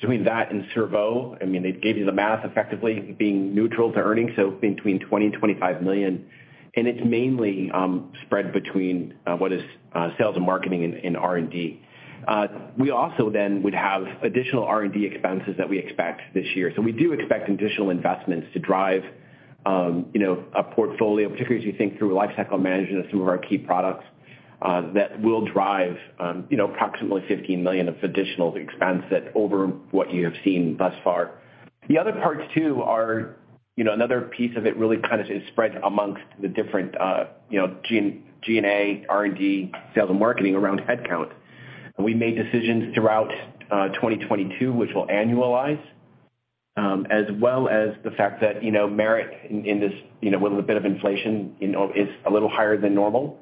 Between that and Cerveau, I mean, I gave you the math effectively being neutral to earnings, between $20 million and $25 million. It's mainly spread between what is sales and marketing and R&D. We also would have additional R&D expenses that we expect this year. We do expect additional investments to drive, you know, a portfolio, particularly as you think through lifecycle management of some of our key products, that will drive, you know, approximately $15 million of additional expense that over what you have seen thus far. The other parts too are, you know, another piece of it really kind of is spread amongst the different, you know, G&A, R&D, sales and marketing around headcount. We made decisions throughout 2022, which will annualize, as well as the fact that, you know, merit in this, you know, with a bit of inflation, you know, is a little higher than normal,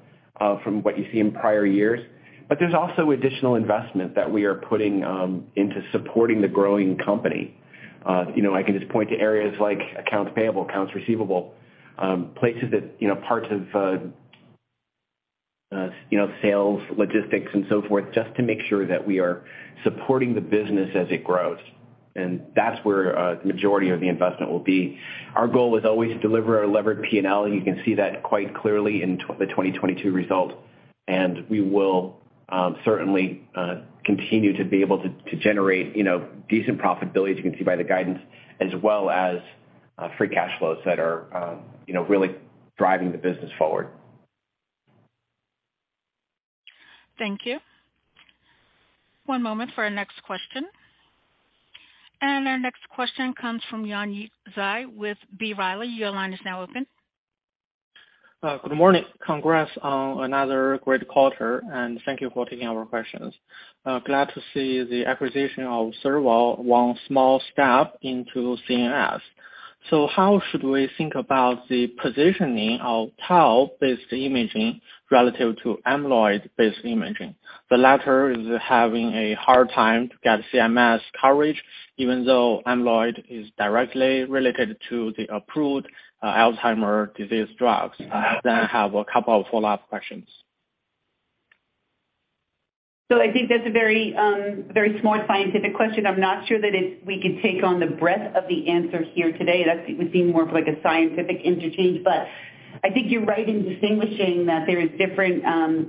from what you see in prior years. There's also additional investment that we are putting into supporting the growing company. you know, I can just point to areas like accounts payable, accounts receivable, places that, you know, parts of, you know, sales, logistics and so forth, just to make sure that we are supporting the business as it grows. That's where the majority of the investment will be. Our goal is always to deliver our levered P&L. You can see that quite clearly in the 2022 results We will certainly continue to be able to generate, you know, decent profitability as you can see by the guidance, as well as free cash flows that are, you know, really driving the business forward. Thank you. One moment for our next question. Our next question comes from Yuan Zhi with B. Riley. Your line is now open. Good morning. Congrats on another great quarter, and thank you for taking our questions. Glad to see the acquisition of Cerveau one small step into CMS. How should we think about the positioning of tau-based imaging relative to amyloid-based imaging? The latter is having a hard time to get CMS coverage, even though amyloid is directly related to the approved Alzheimer's disease drugs. I then have a couple of follow-up questions. I think that's a very, very smart scientific question. I'm not sure that we could take on the breadth of the answer here today. It would seem more of like a scientific interchange. I think you're right in distinguishing that there is different,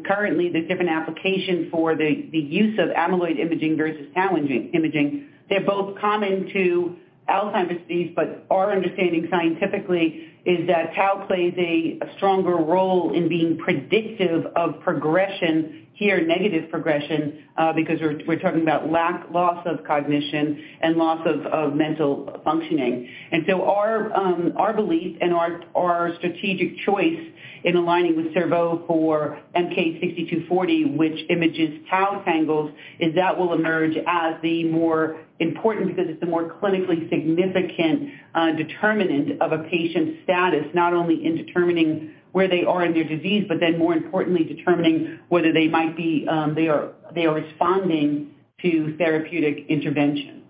currently, there's different application for the use of amyloid imaging versus tau imaging. They're both common to Alzheimer's disease, but our understanding scientifically is that tau plays a stronger role in being predictive of progression, here negative progression, because we're talking about loss of cognition and loss of mental functioning. Our belief and our strategic choice in aligning with Cerveau for MK-6240, which images tau tangles, is that will emerge as the more important because it's the more clinically significant determinant of a patient's status, not only in determining where they are in their disease, but then more importantly, determining whether they might be, they are responding to therapeutic intervention.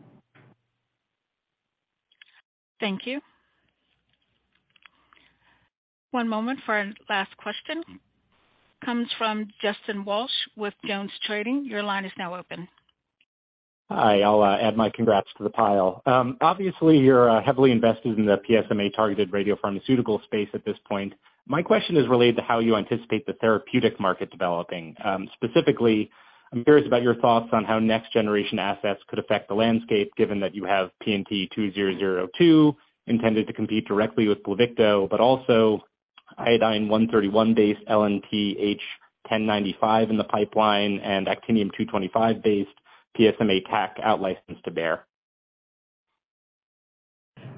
Thank you. One moment for our last question. Comes from Justin Walsh with Jones Trading. Your line is now open. Hi, I'll add my congrats to the pile. Obviously, you're heavily invested in the PSMA-targeted radiopharmaceutical space at this point. My question is related to how you anticipate the therapeutic market developing. Specifically, I'm curious about your thoughts on how next generation assets could affect the landscape given that you have PNT2002 intended to compete directly with Pluvicto, but also Iodine-131 based LNTH1095 in the pipeline and Actinium-225 based PSMA TAC outlicensed to Bayer.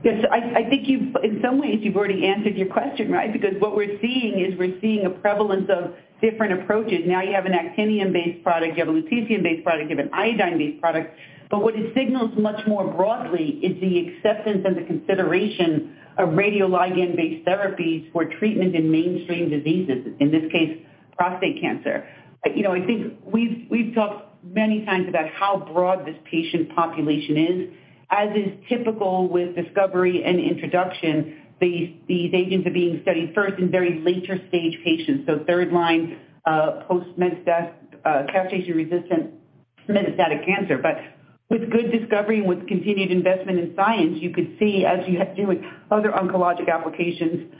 Yes. I think in some ways, you've already answered your question, right? What we're seeing is a prevalence of different approaches. Now you have an Actinium-based product, you have a lutetium-based product, you have an iodine-based product. What it signals much more broadly is the acceptance and the consideration of radioligand-based therapies for treatment in mainstream diseases, in this case, prostate cancer. You know, I think we've talked many times about how broad this patient population is. As is typical with discovery and introduction, these agents are being studied first in very later-stage patients. Third line, castration-resistant metastatic cancer. With good discovery and with continued investment in science, you could see, as you do with other oncologic applications,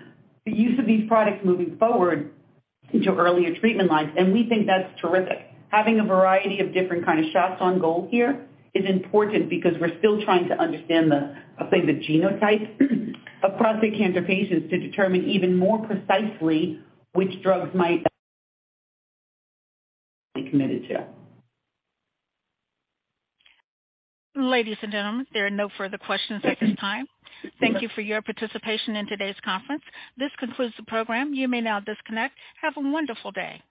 the use of these products moving forward into earlier treatment lines, and we think that's terrific. Having a variety of different kind of shots on goal here is important because we're still trying to understand the, I'll say, the genotype of prostate cancer patients to determine even more precisely which drugs might be committed to. Ladies and gentlemen, there are no further questions at this time. Thank you for your participation in today's conference. This concludes the program. You may now disconnect. Have a wonderful day.